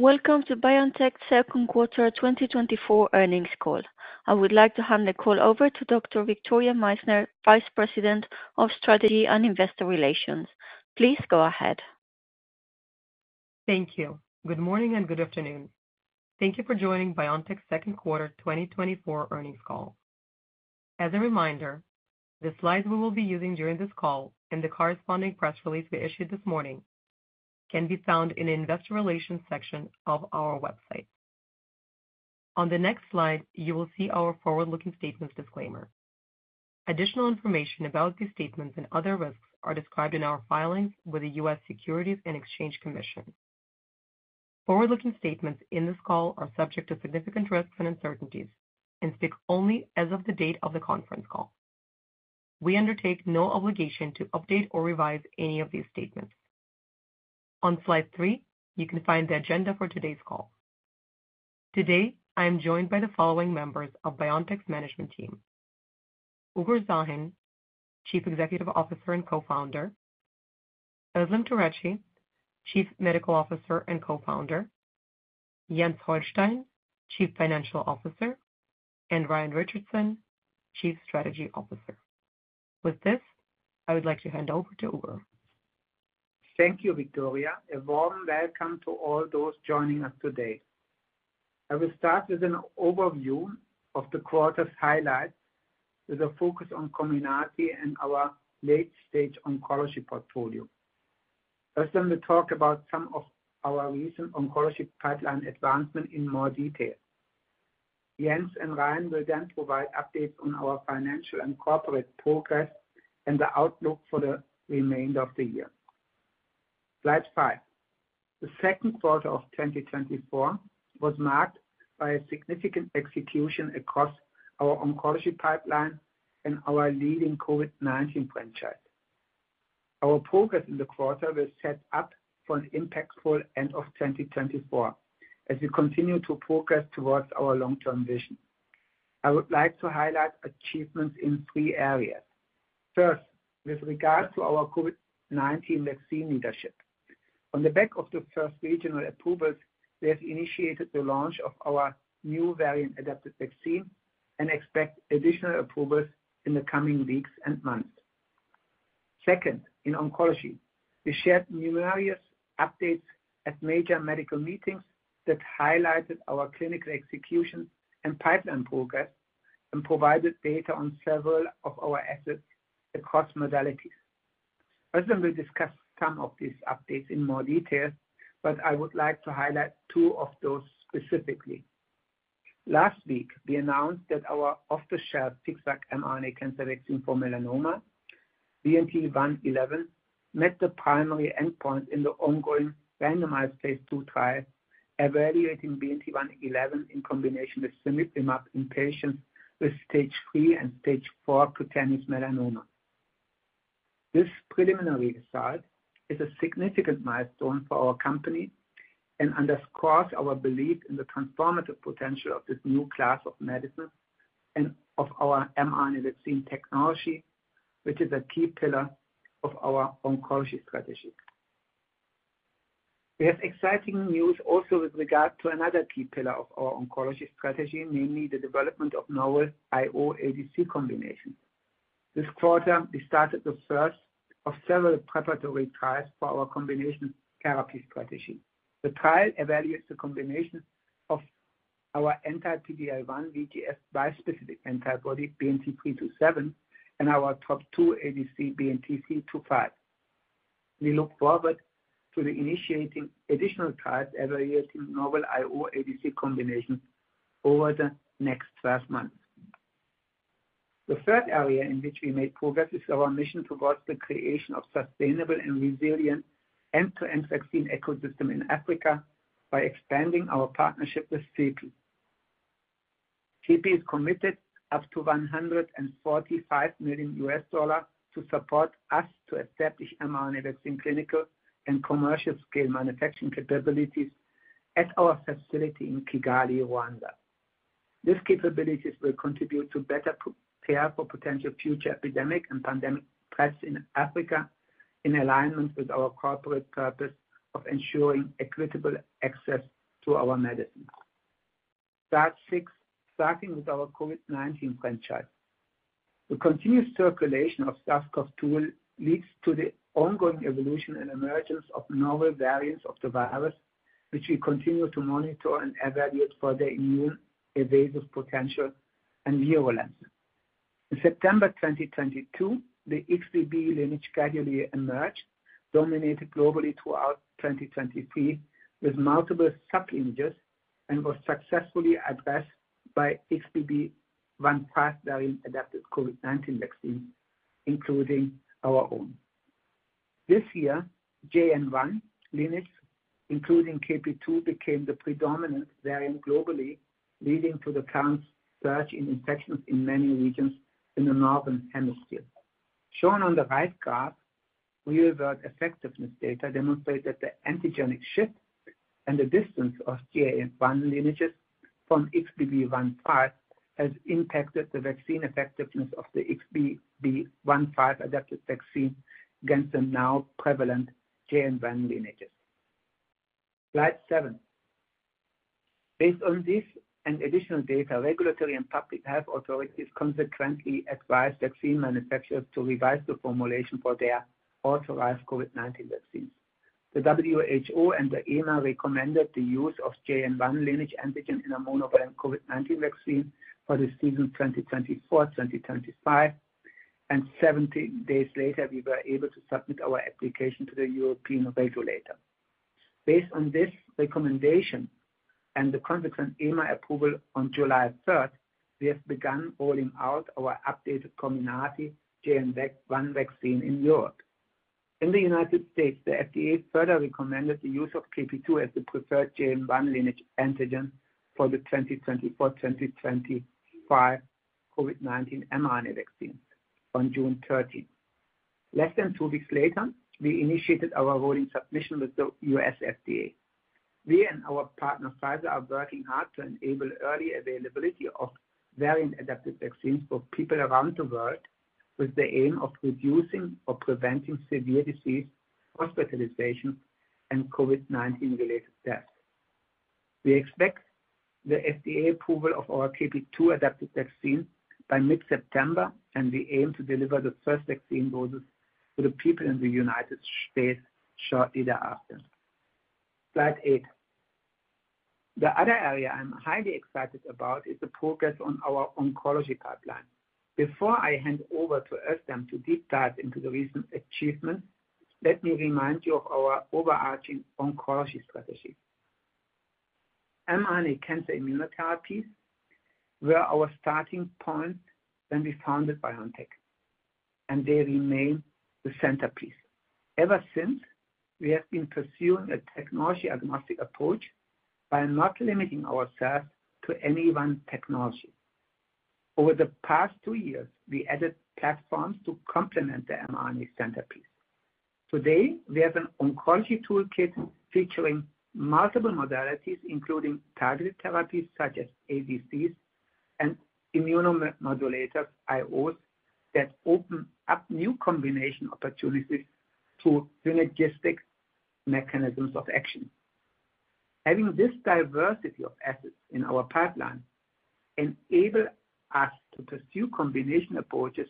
Welcome to BioNTech's second quarter 2024 earnings call. I would like to hand the call over to Dr. Victoria Meissner, Vice President of Strategy and Investor Relations. Please go ahead. Thank you. Good morning and good afternoon. Thank you for joining BioNTech's second quarter 2024 earnings call. As a reminder, the slides we will be using during this call and the corresponding press release we issued this morning can be found in the Investor Relations section of our website. On the next slide, you will see our forward-looking statements disclaimer. Additional information about these statements and other risks are described in our filings with the U.S. Securities and Exchange Commission. Forward-looking statements in this call are subject to significant risks and uncertainties and speak only as of the date of the conference call. We undertake no obligation to update or revise any of these statements. On slide three, you can find the agenda for today's call. Today, I am joined by the following members of BioNTech's management team: Ugur Sahin, Chief Executive Officer and Co-founder, Özlem Türeci, Chief Medical Officer and Co-founder, Jens Holstein, Chief Financial Officer, and Ryan Richardson, Chief Strategy Officer. With this, I would like to hand over to Ugur. Thank you, Victoria. A warm welcome to all those joining us today. I will start with an overview of the quarter's highlights with a focus on Comirnaty and our late-stage oncology portfolio. Özlem will talk about some of our recent oncology pipeline advancements in more detail. Jens and Ryan will then provide updates on our financial and corporate progress and the outlook for the remainder of the year. Slide five. The second quarter of 2024 was marked by significant execution across our oncology pipeline and our leading COVID-19 franchise. Our progress in the quarter will set up for an impactful end of 2024 as we continue to progress towards our long-term vision. I would like to highlight achievements in three areas. First, with regard to our COVID-19 vaccine leadership. On the back of the first regional approvals, we have initiated the launch of our new variant-adapted vaccine and expect additional approvals in the coming weeks and months. Second, in oncology, we shared numerous updates at major medical meetings that highlighted our clinical execution and pipeline progress and provided data on several of our assets across modalities. Özlem will discuss some of these updates in more detail, but I would like to highlight two of those specifically. Last week, we announced that our off-the-shelf FixVac mRNA cancer vaccine for melanoma, BNT111, met the primary endpoint in the ongoing randomized phase II trial evaluating BNT111 in combination with cemiplimab in patients with stage III and stage IV cutaneous melanoma. This preliminary result is a significant milestone for our company and underscores our belief in the transformative potential of this new class of medicine and of our mRNA vaccine technology, which is a key pillar of our oncology strategy. We have exciting news also with regard to another key pillar of our oncology strategy, namely the development of novel IO-ADC combinations. This quarter, we started the first of several preparatory trials for our combination therapy strategy. The trial evaluates the combination of our anti-PD-L1 VEGF bispecific antibody BNT327 and our TROP2 ADC BNT325. We look forward to initiating additional trials evaluating novel IO-ADC combinations over the next 12 months. The third area in which we made progress is our mission towards the creation of a sustainable and resilient end-to-end vaccine ecosystem in Africa by expanding our partnership with CEPI. CEPI is committed up to $145 million to support us to establish mRNA vaccine clinical and commercial-scale manufacturing capabilities at our facility in Kigali, Rwanda. These capabilities will contribute to better prepare for potential future epidemic and pandemic threats in Africa in alignment with our corporate purpose of ensuring equitable access to our medicines. Starting with our COVID-19 franchise, the continuous circulation of SARS-CoV-2 leads to the ongoing evolution and emergence of novel variants of the virus, which we continue to monitor and evaluate for their immune evasive potential and virulence. In September 2022, the XBB lineage gradually emerged, dominated globally throughout 2023 with multiple sub-lineages and was successfully addressed by XBB.1.5 variant-adapted COVID-19 vaccines, including our own. This year, JN.1 lineage, including KP.2, became the predominant variant globally, leading to the current surge in infections in many regions in the northern hemisphere. Shown on the right graph, real-world effectiveness data demonstrates that the antigenic shift and the distance of JN.1 lineages from XBB.1.5 has impacted the vaccine effectiveness of the XBB.1.5-adapted vaccine against the now prevalent JN.1 lineages. Slide 7. Based on this and additional data, regulatory and public health authorities consequently advised vaccine manufacturers to revise the formulation for their authorized COVID-19 vaccines. The WHO and the EMA recommended the use of JN.1 lineage antigen in a monovalent COVID-19 vaccine for the season 2024-2025, and 70 days later, we were able to submit our application to the European regulator. Based on this recommendation and the consequent EMA approval on July 3rd, we have begun rolling out our updated Comirnaty JN.1 vaccine in Europe. In the United States, the FDA further recommended the use of KP.2 as the preferred JN.1 lineage antigen for the 2024-2025 COVID-19 mRNA vaccine on June 13th. Less than two weeks later, we initiated our rolling submission with the U.S. FDA. We and our partner Pfizer are working hard to enable early availability of variant-adapted vaccines for people around the world with the aim of reducing or preventing severe disease, hospitalization, and COVID-19-related deaths. We expect the FDA approval of our KP.2-adapted vaccine by mid-September, and we aim to deliver the first vaccine doses to the people in the United States shortly thereafter. Slide eight. The other area I'm highly excited about is the progress on our oncology pipeline. Before I hand over to Özlem to deep dive into the recent achievements, let me remind you of our overarching oncology strategy. mRNA cancer immunotherapies were our starting point when we founded BioNTech, and they remain the centerpiece. Ever since, we have been pursuing a technology-agnostic approach by not limiting ourselves to any one technology. Over the past two years, we added platforms to complement the mRNA centerpiece. Today, we have an oncology toolkit featuring multiple modalities, including targeted therapies such as ADCs and immunomodulators, IOs, that open up new combination opportunities through synergistic mechanisms of action. Having this diversity of assets in our pipeline enables us to pursue combination approaches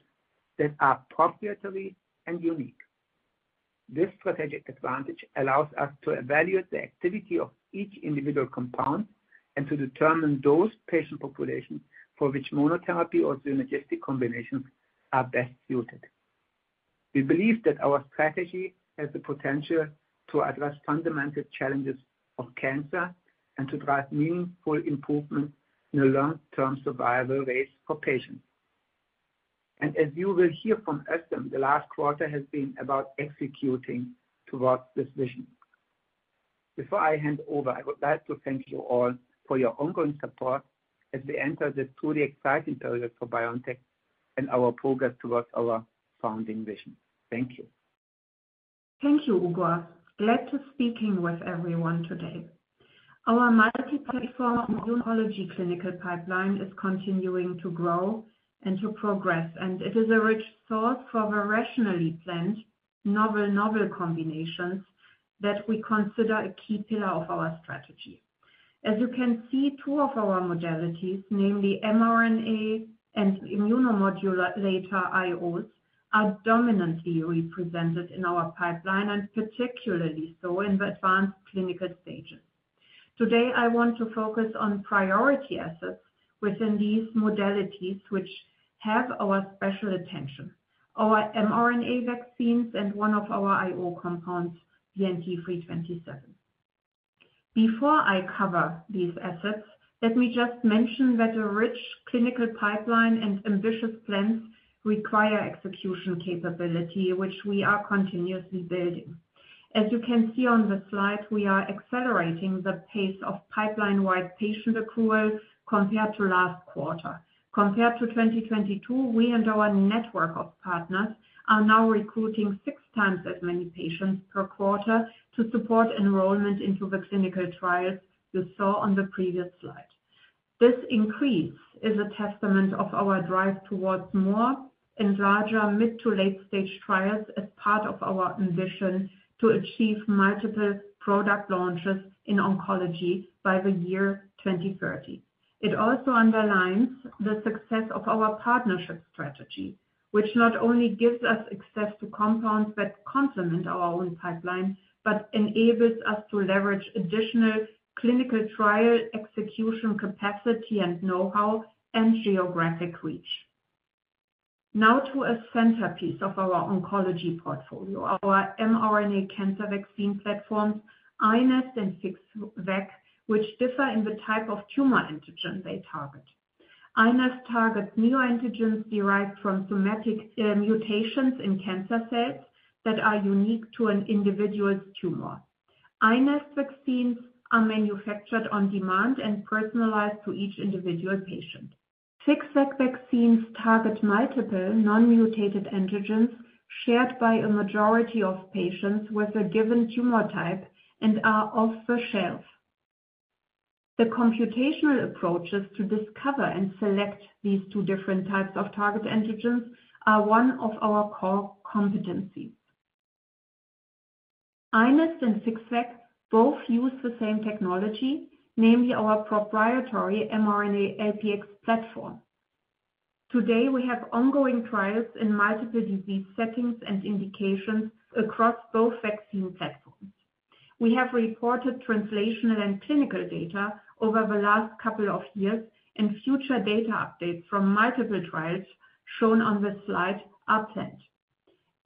that are proprietary and unique. This strategic advantage allows us to evaluate the activity of each individual compound and to determine those patient populations for which monotherapy or synergistic combinations are best suited. We believe that our strategy has the potential to address fundamental challenges of cancer and to drive meaningful improvements in the long-term survival rates for patients. As you will hear from Özlem, the last quarter has been about executing towards this vision. Before I hand over, I would like to thank you all for your ongoing support as we enter the truly exciting period for BioNTech and our progress towards our founding vision. Thank you. Thank you, Ugur. Glad to be speaking with everyone today. Our multi-platform immunology clinical pipeline is continuing to grow and to progress, and it is a rich source for the rationally planned novel combinations that we consider a key pillar of our strategy. As you can see, two of our modalities, namely mRNA and immunomodulator IOs, are dominantly represented in our pipeline, and particularly so in the advanced clinical stages. Today, I want to focus on priority assets within these modalities, which have our special attention: our mRNA vaccines and one of our IO compounds, BNT327. Before I cover these assets, let me just mention that a rich clinical pipeline and ambitious plans require execution capability, which we are continuously building. As you can see on the slide, we are accelerating the pace of pipeline-wide patient accrual compared to last quarter. Compared to 2022, we and our network of partners are now recruiting six times as many patients per quarter to support enrollment into the clinical trials you saw on the previous slide. This increase is a testament to our drive towards more and larger mid-to-late-stage trials as part of our ambition to achieve multiple product launches in oncology by the year 2030. It also underlines the success of our partnership strategy, which not only gives us access to compounds that complement our own pipeline, but enables us to leverage additional clinical trial execution capacity and know-how and geographic reach. Now to a centerpiece of our oncology portfolio, our mRNA cancer vaccine platforms, iNeST and FixVac, which differ in the type of tumor antigen they target. iNeST targets neoantigens derived from somatic mutations in cancer cells that are unique to an individual's tumor. iNeST vaccines are manufactured on demand and personalized to each individual patient. FixVac vaccines target multiple non-mutated antigens shared by a majority of patients with a given tumor type and are off-the-shelf. The computational approaches to discover and select these two different types of target antigens are one of our core competencies. iNeST and FixVac both use the same technology, namely our proprietary mRNA LPX platform. Today, we have ongoing trials in multiple disease settings and indications across both vaccine platforms. We have reported translational and clinical data over the last couple of years, and future data updates from multiple trials shown on the slide are planned.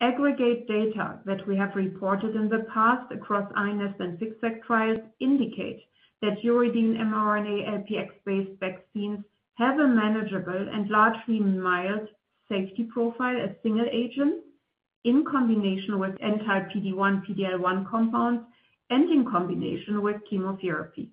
Aggregate data that we have reported in the past across iNeST and FixVac trials indicate that uridine mRNA LPX-based vaccines have a manageable and largely mild safety profile as single agents in combination with anti-PD-1, PD-L1 compounds, and in combination with chemotherapy.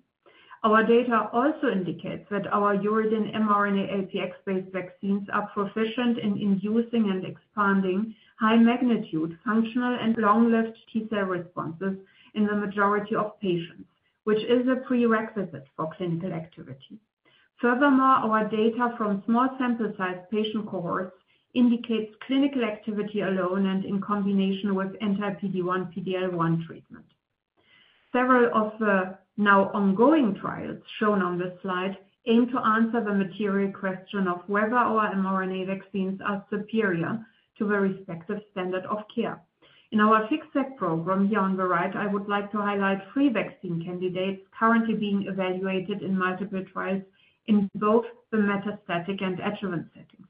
Our data also indicates that our uridine mRNA LPX-based vaccines are proficient in inducing and expanding high-magnitude functional and long-lived T-cell responses in the majority of patients, which is a prerequisite for clinical activity. Furthermore, our data from small sample-sized patient cohorts indicates clinical activity alone and in combination with anti-PD-1, PD-L1 treatment. Several of the now ongoing trials shown on this slide aim to answer the material question of whether our mRNA vaccines are superior to the respective standard of care. In our FixVac program here on the right, I would like to highlight three vaccine candidates currently being evaluated in multiple trials in both the metastatic and adjuvant settings.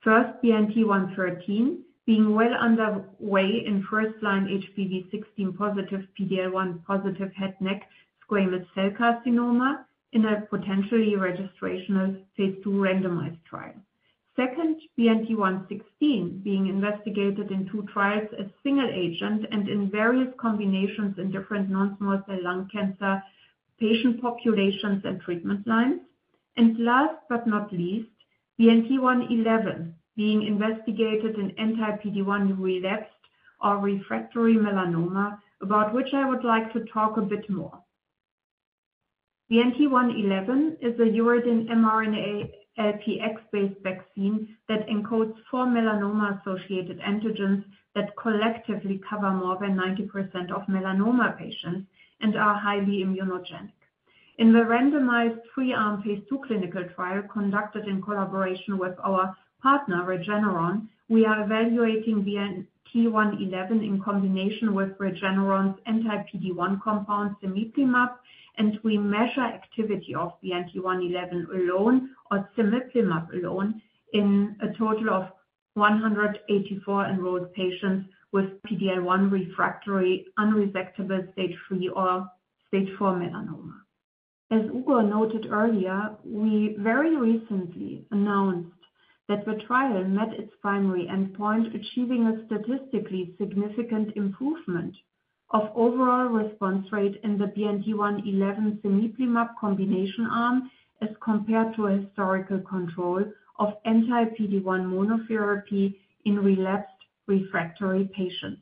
First, BNT113, being well underway in first-line HPV-16 positive, PD-L1 positive head and neck squamous cell carcinoma in a potentially registrational phase II randomized trial. Second, BNT116, being investigated in two trials as single agent and in various combinations in different non-small cell lung cancer patient populations and treatment lines. And last but not least, BNT111, being investigated in anti-PD-1 relapsed or refractory melanoma, about which I would like to talk a bit more. BNT111 is a uridine mRNA LPX-based vaccine that encodes four melanoma-associated antigens that collectively cover more than 90% of melanoma patients and are highly immunogenic. In the randomized three-arm phase II clinical trial conducted in collaboration with our partner Regeneron, we are evaluating BNT111 in combination with Regeneron's anti-PD-1 compound, cemiplimab, and we measure activity of BNT111 alone or cemiplimab alone in a total of 184 enrolled patients with PD-L1 refractory, unresectable, stage III or stage IV melanoma. As Ugur noted earlier, we very recently announced that the trial met its primary endpoint, achieving a statistically significant improvement of overall response rate in the BNT111 cemiplimab combination arm as compared to a historical control of anti-PD-1 monotherapy in relapsed refractory patients.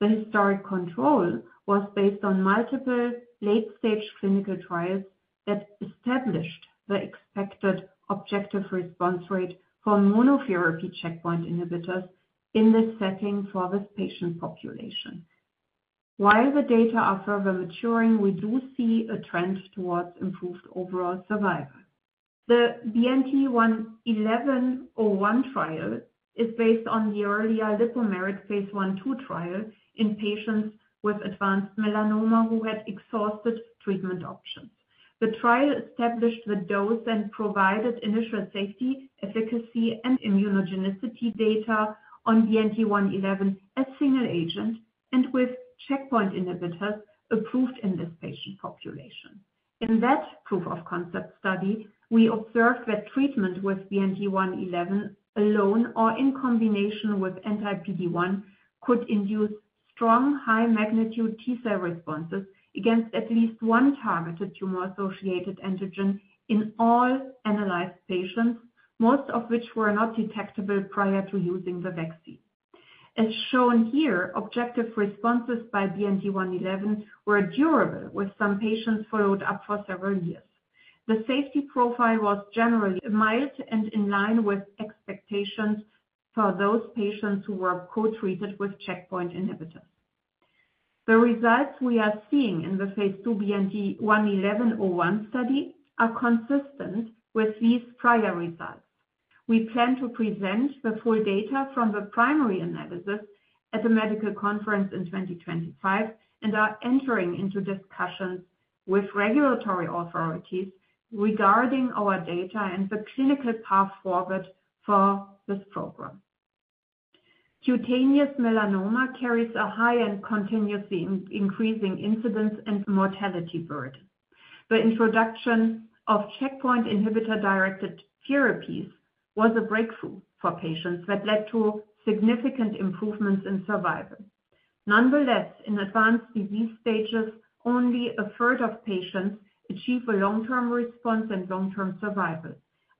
The historic control was based on multiple late-stage clinical trials that established the expected objective response rate for monotherapy checkpoint inhibitors in this setting for this patient population. While the data are further maturing, we do see a trend towards improved overall survival. The BNT111-01 trial is based on the earlier Lipoplex phase I/II trial in patients with advanced melanoma who had exhausted treatment options. The trial established the dose and provided initial safety, efficacy, and immunogenicity data on BNT111 as single agent and with checkpoint inhibitors approved in this patient population. In that proof of concept study, we observed that treatment with BNT111 alone or in combination with anti-PD-1 could induce strong high-magnitude T-cell responses against at least one targeted tumor-associated antigen in all analyzed patients, most of which were not detectable prior to using the vaccine. As shown here, objective responses by BNT111 were durable, with some patients followed up for several years. The safety profile was generally mild and in line with expectations for those patients who were co-treated with checkpoint inhibitors. The results we are seeing in the phase II BNT111-01 study are consistent with these prior results. We plan to present the full data from the primary analysis at the medical conference in 2025 and are entering into discussions with regulatory authorities regarding our data and the clinical path forward for this program. Cutaneous melanoma carries a high and continuously increasing incidence and mortality burden. The introduction of checkpoint inhibitor-directed therapies was a breakthrough for patients that led to significant improvements in survival. Nonetheless, in advanced disease stages, only a third of patients achieve a long-term response and long-term survival.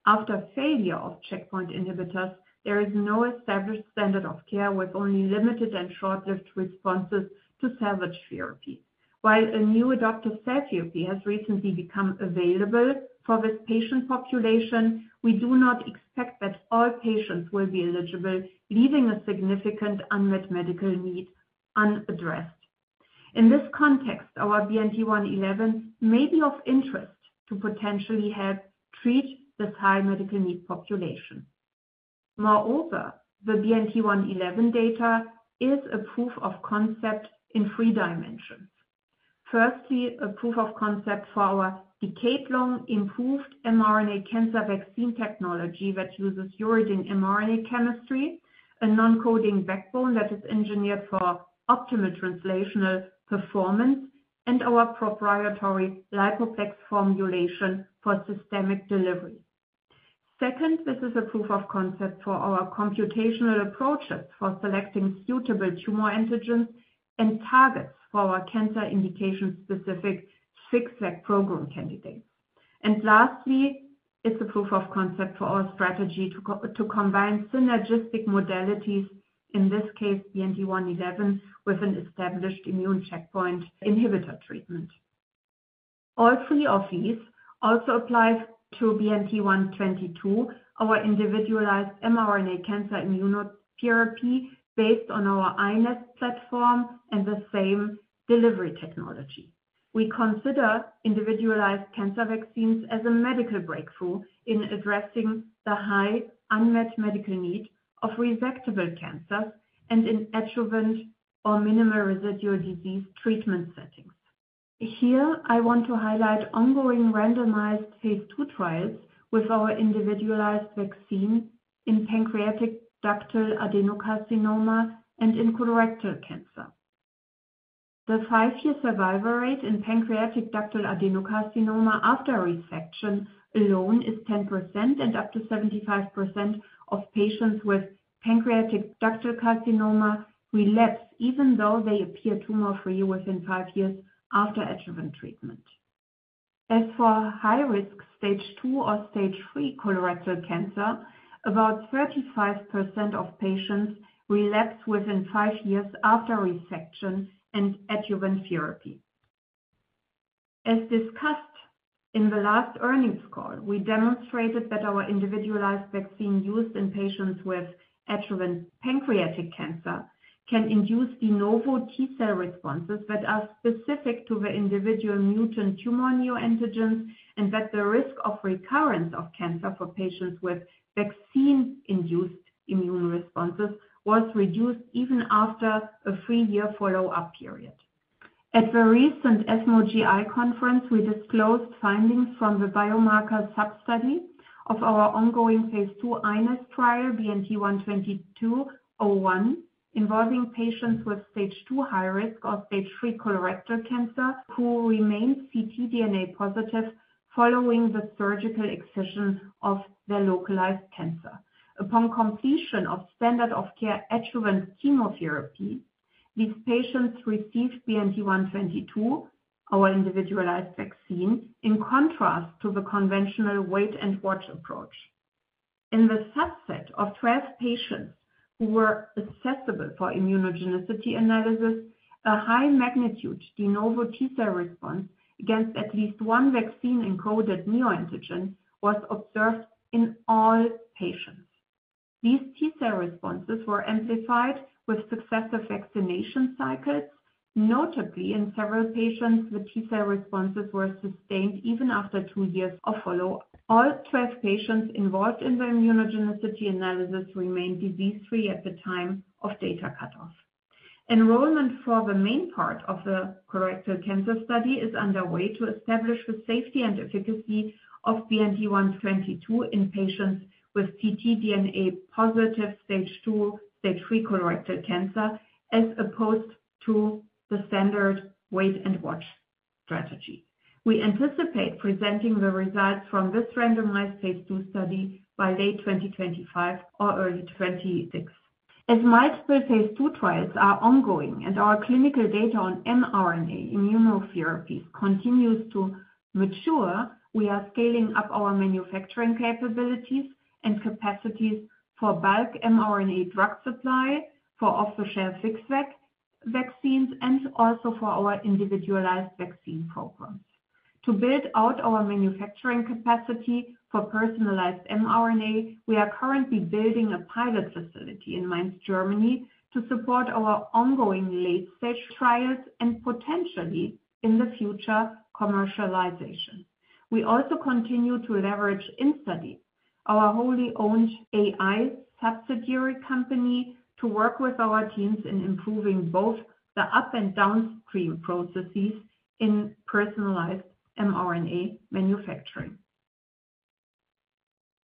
After failure of checkpoint inhibitors, there is no established standard of care with only limited and short-lived responses to salvage therapy. While a new adoptive therapy has recently become available for this patient population, we do not expect that all patients will be eligible, leaving a significant unmet medical need unaddressed. In this context, our BNT111 may be of interest to potentially help treat this high medical need population. Moreover, the BNT111 data is a proof of concept in three dimensions. Firstly, a proof of concept for our decade-long improved mRNA cancer vaccine technology that uses uridine mRNA chemistry, a non-coding backbone that is engineered for optimal translational performance, and our proprietary Lipoplex formulation for systemic delivery. Second, this is a proof of concept for our computational approaches for selecting suitable tumor antigens and targets for our cancer indication-specific FixVac program candidates. Lastly, it's a proof of concept for our strategy to combine synergistic modalities, in this case BNT111, with an established immune checkpoint inhibitor treatment. All three of these also apply to BNT122, our individualized mRNA cancer immunotherapy based on our iNeST platform and the same delivery technology. We consider individualized cancer vaccines as a medical breakthrough in addressing the high unmet medical need of resectable cancers and in adjuvant or minimal residual disease treatment settings. Here, I want to highlight ongoing randomized phase II trials with our individualized vaccine in pancreatic ductal adenocarcinoma and in colorectal cancer. The 5-year survival rate in pancreatic ductal adenocarcinoma after resection alone is 10%, and up to 75% of patients with pancreatic ductal carcinoma relapse, even though they appear tumor-free within 5 years after adjuvant treatment. As for high-risk stage II or stage III colorectal cancer, about 35% of patients relapse within 5 years after resection and adjuvant therapy. As discussed in the last earnings call, we demonstrated that our individualized vaccine used in patients with adjuvant pancreatic cancer can induce de novo T-cell responses that are specific to the individual mutant tumor neoantigens and that the risk of recurrence of cancer for patients with vaccine-induced immune responses was reduced even after a 3-year follow-up period. At the recent ESMO GI Conference, we disclosed findings from the biomarker sub-study of our ongoing phase II iNeST trial, BNT122-01, involving patients with stage II high-risk or stage III colorectal cancer who remained ctDNA positive following the surgical excision of their localized cancer. Upon completion of standard of care adjuvant chemotherapy, these patients received BNT122, our individualized vaccine, in contrast to the conventional wait-and-watch approach. In the subset of 12 patients who were accessible for immunogenicity analysis, a high-magnitude de novo T-cell response against at least one vaccine-encoded neoantigen was observed in all patients. These T-cell responses were amplified with successive vaccination cycles, notably in several patients, the T-cell responses were sustained even after two years of follow-up. All 12 patients involved in the immunogenicity analysis remained disease-free at the time of data cutoff. Enrollment for the main part of the colorectal cancer study is underway to establish the safety and efficacy of BNT122 in patients with ctDNA positive stage II, stage III colorectal cancer as opposed to the standard wait-and-watch strategy. We anticipate presenting the results from this randomized phase II study by late 2025 or early 2026. As multiple phase II trials are ongoing and our clinical data on mRNA immunotherapies continues to mature, we are scaling up our manufacturing capabilities and capacities for bulk mRNA drug supply for off-the-shelf FixVac vaccines and also for our individualized vaccine programs. To build out our manufacturing capacity for personalized mRNA, we are currently building a pilot facility in Mainz, Germany, to support our ongoing late-stage trials and potentially, in the future, commercialization. We also continue to leverage InstaDeep, our wholly-owned AI subsidiary company, to work with our teams in improving both the up- and downstream processes in personalized mRNA manufacturing.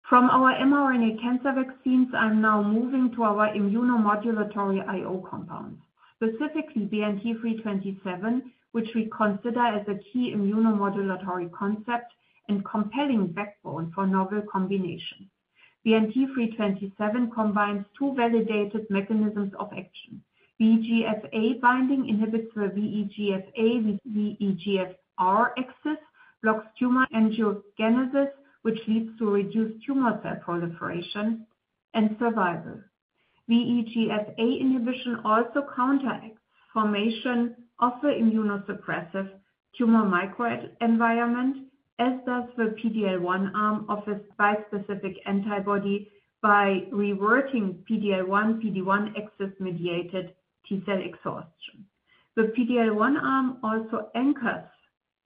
From our mRNA cancer vaccines, I'm now moving to our immunomodulatory IO compounds, specifically BNT327, which we consider as a key immunomodulatory concept and compelling backbone for novel combinations. BNT327 combines two validated mechanisms of action. VEGF-A binding inhibits the VEGF-A-VEGF-R axis, blocks tumor angiogenesis, which leads to reduced tumor cell proliferation and survival. VEGF-A inhibition also counteracts formation of the immunosuppressive tumor microenvironment, as does the PD-L1 arm of this bispecific antibody by reverting PD-L1-PD-1 axis-mediated T-cell exhaustion. The PD-L1 arm also anchors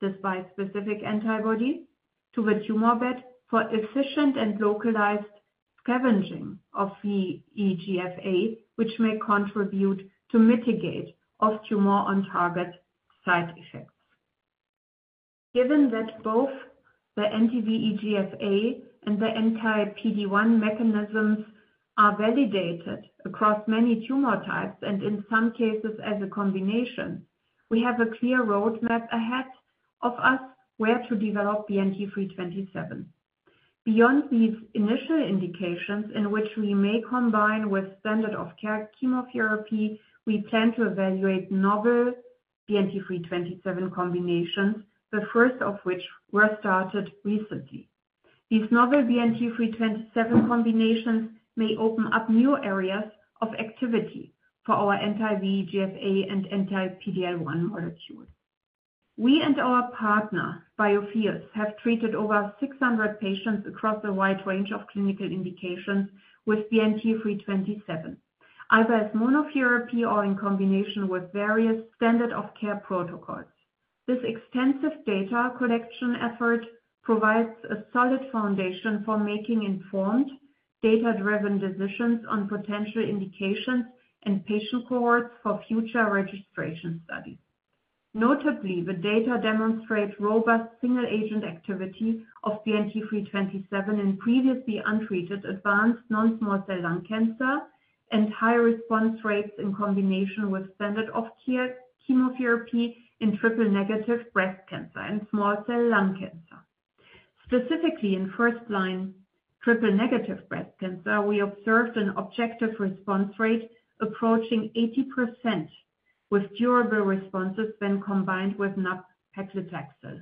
this bispecific antibody to the tumor bed for efficient and localized scavenging of VEGF-A, which may contribute to mitigation of tumor-on-target side effects. Given that both the anti-VEGF-A and the anti-PD-1 mechanisms are validated across many tumor types and in some cases as a combination, we have a clear roadmap ahead of us where to develop BNT327. Beyond these initial indications in which we may combine with standard of care chemotherapy, we plan to evaluate novel BNT327 combinations, the first of which were started recently. These novel BNT327 combinations may open up new areas of activity for our anti-VEGF-A and anti-PD-L1 molecules. We and our partner, Biotheus, have treated over 600 patients across a wide range of clinical indications with BNT327, either as monotherapy or in combination with various standard of care protocols. This extensive data collection effort provides a solid foundation for making informed, data-driven decisions on potential indications and patient cohorts for future registration studies. Notably, the data demonstrate robust single-agent activity of BNT327 in previously untreated advanced non-small cell lung cancer and high response rates in combination with standard of care chemotherapy in triple-negative breast cancer and small cell lung cancer. Specifically, in first-line triple-negative breast cancer, we observed an objective response rate approaching 80% with durable responses when combined with nab-paclitaxel.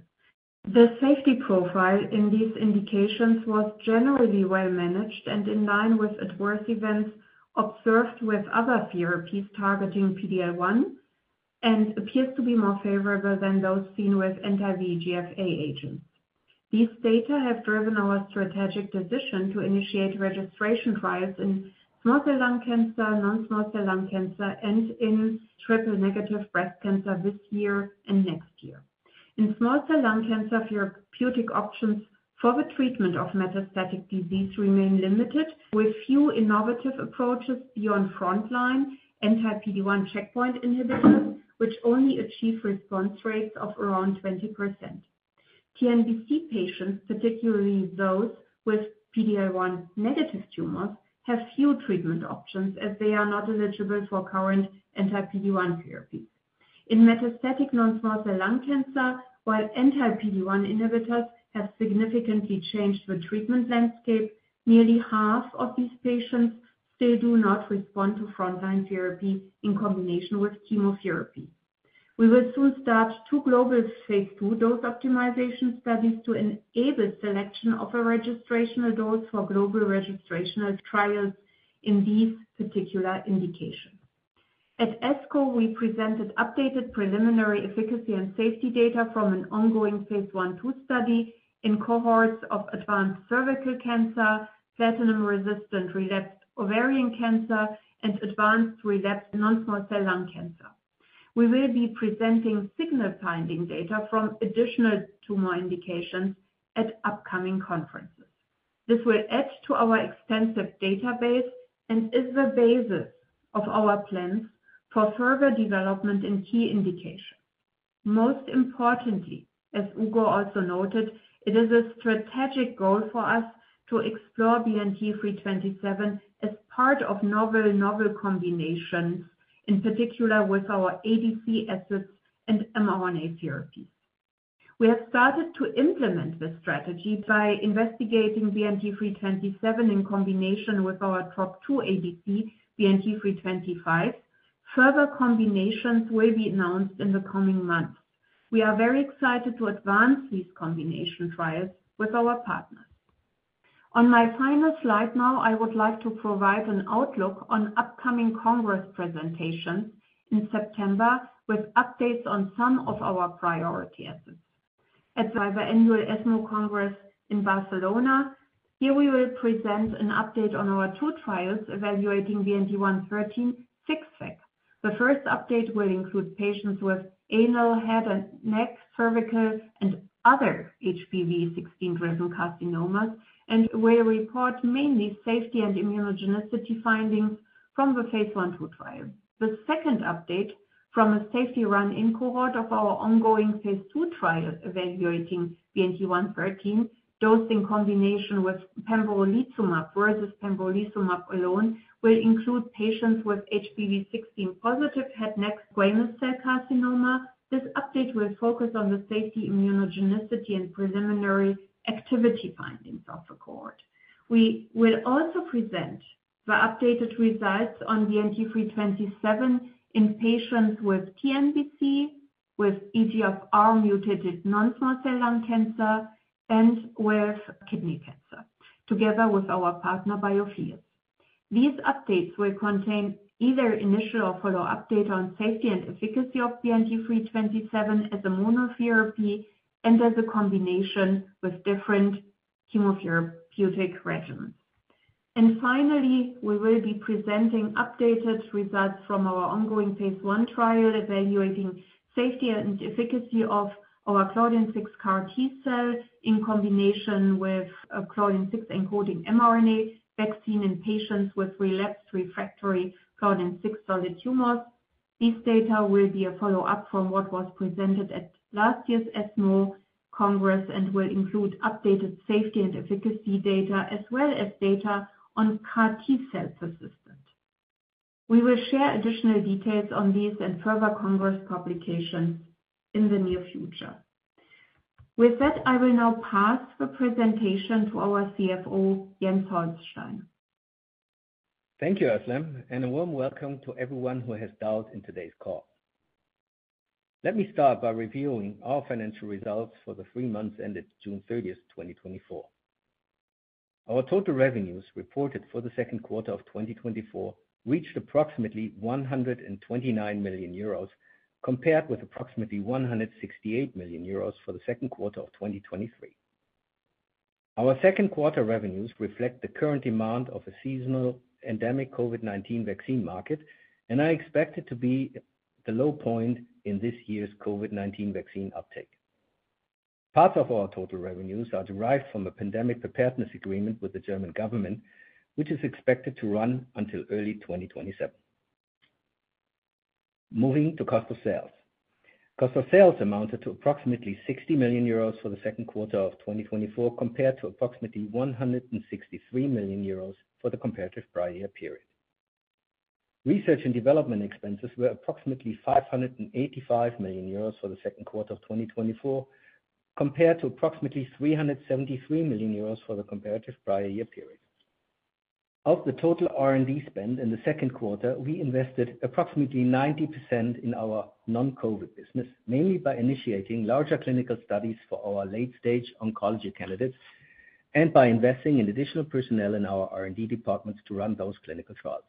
The safety profile in these indications was generally well-managed and in line with adverse events observed with other therapies targeting PD-L1 and appears to be more favorable than those seen with anti-VEGF-A agents. These data have driven our strategic decision to initiate registration trials in small cell lung cancer, non-small cell lung cancer, and in triple-negative breast cancer this year and next year. In small cell lung cancer, therapeutic options for the treatment of metastatic disease remain limited, with few innovative approaches beyond frontline anti-PD-1 checkpoint inhibitors, which only achieve response rates of around 20%. TNBC patients, particularly those with PD-L1-negative tumors, have few treatment options as they are not eligible for current anti-PD-1 therapy. In metastatic non-small cell lung cancer, while anti-PD-1 inhibitors have significantly changed the treatment landscape, nearly half of these patients still do not respond to frontline therapy in combination with chemotherapy. We will soon start two global phase II dose optimization studies to enable selection of a registrational dose for global registrational trials in these particular indications. At ESMO, we presented updated preliminary efficacy and safety data from an ongoing phase I-II study in cohorts of advanced cervical cancer, platinum-resistant relapsed ovarian cancer, and advanced relapsed non-small cell lung cancer. We will be presenting signal-finding data from additional tumor indications at upcoming conferences. This will add to our extensive database and is the basis of our plans for further development in key indications. Most importantly, as Ugur also noted, it is a strategic goal for us to explore BNT327 as part of novel novel combinations, in particular with our ADC assets and mRNA therapies. We have started to implement this strategy by investigating BNT327 in combination with our TROP2 ADC, BNT325. Further combinations will be announced in the coming months. We are very excited to advance these combination trials with our partners. On my final slide now, I would like to provide an outlook on upcoming congress presentations in September with updates on some of our priority assets. At the annual ESMO Congress in Barcelona, here we will present an update on our two trials evaluating BNT113 FixVac. The first update will include patients with anal, head, and neck, cervical, and other HPV16-driven carcinomas and will report mainly safety and immunogenicity findings from the phase I-II trial. The second update, from a safety run-in cohort of our ongoing phase II trial evaluating BNT113, dosed in combination with pembrolizumab versus pembrolizumab alone, will include patients with HPV16-positive head/neck squamous cell carcinoma. This update will focus on the safety, immunogenicity, and preliminary activity findings of the cohort. We will also present the updated results on BNT327 in patients with TNBC, with EGFR-mutated non-small cell lung cancer, and with kidney cancer, together with our partner, Biotheus. These updates will contain either initial or follow-up data on safety and efficacy of BNT327 as a monotherapy and as a combination with different chemotherapeutic regimens. Finally, we will be presenting updated results from our ongoing phase I trial evaluating safety and efficacy of our Claudin-6 CAR T-cell in combination with a Claudin-6 encoding mRNA vaccine in patients with relapsed refractory Claudin-6 solid tumors. These data will be a follow-up from what was presented at last year's ESMO Congress and will include updated safety and efficacy data as well as data on CAR T-cell persistence. We will share additional details on these and further congress publications in the near future. With that, I will now pass the presentation to our CFO, Jens Holstein. Thank you, Özlem, and a warm welcome to everyone who has dialed in today's call. Let me start by reviewing our financial results for the three months ended June 30, 2024. Our total revenues reported for the second quarter of 2024 reached approximately 129 million euros, compared with approximately 168 million euros for the second quarter of 2023. Our second quarter revenues reflect the current demand of a seasonal endemic COVID-19 vaccine market, and are expected to be the low point in this year's COVID-19 vaccine uptake. Parts of our total revenues are derived from a pandemic preparedness agreement with the German government, which is expected to run until early 2027. Moving to cost of sales. Cost of sales amounted to approximately 60 million euros for the second quarter of 2024, compared to approximately 163 million euros for the comparative prior year period. Research and development expenses were approximately 585 million euros for the second quarter of 2024, compared to approximately 373 million euros for the comparative prior year period. Of the total R&D spend in the second quarter, we invested approximately 90% in our non-COVID business, mainly by initiating larger clinical studies for our late-stage oncology candidates and by investing in additional personnel in our R&D departments to run those clinical trials.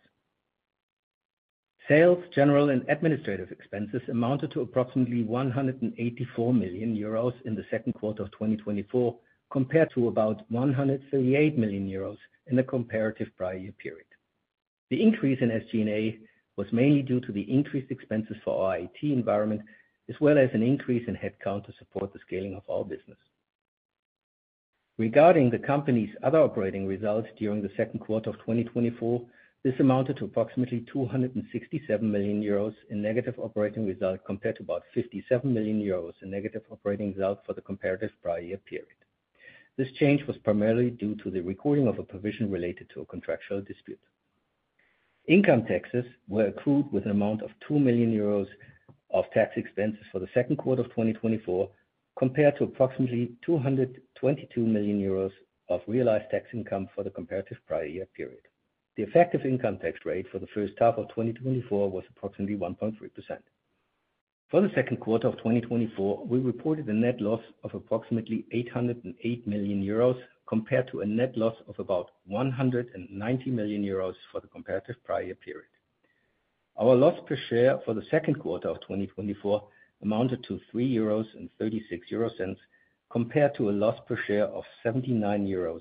Sales, general, and administrative expenses amounted to approximately 184 million euros in the second quarter of 2024, compared to about 138 million euros in the comparative prior year period. The increase in SG&A was mainly due to the increased expenses for our IT environment, as well as an increase in headcount to support the scaling of our business. Regarding the company's other operating results during the second quarter of 2024, this amounted to approximately 267 million euros in negative operating result, compared to about 57 million euros in negative operating result for the comparative prior year period. This change was primarily due to the recording of a provision related to a contractual dispute. Income taxes were accrued with an amount of 2 million euros of tax expenses for the second quarter of 2024, compared to approximately 222 million euros of realized tax income for the comparative prior year period. The effective income tax rate for the first half of 2024 was approximately 1.3%. For the second quarter of 2024, we reported a net loss of approximately 808 million euros, compared to a net loss of about 190 million euros for the comparative prior year period. Our loss per share for the second quarter of 2024 amounted to 3.36 euros, compared to a loss per share of 0.79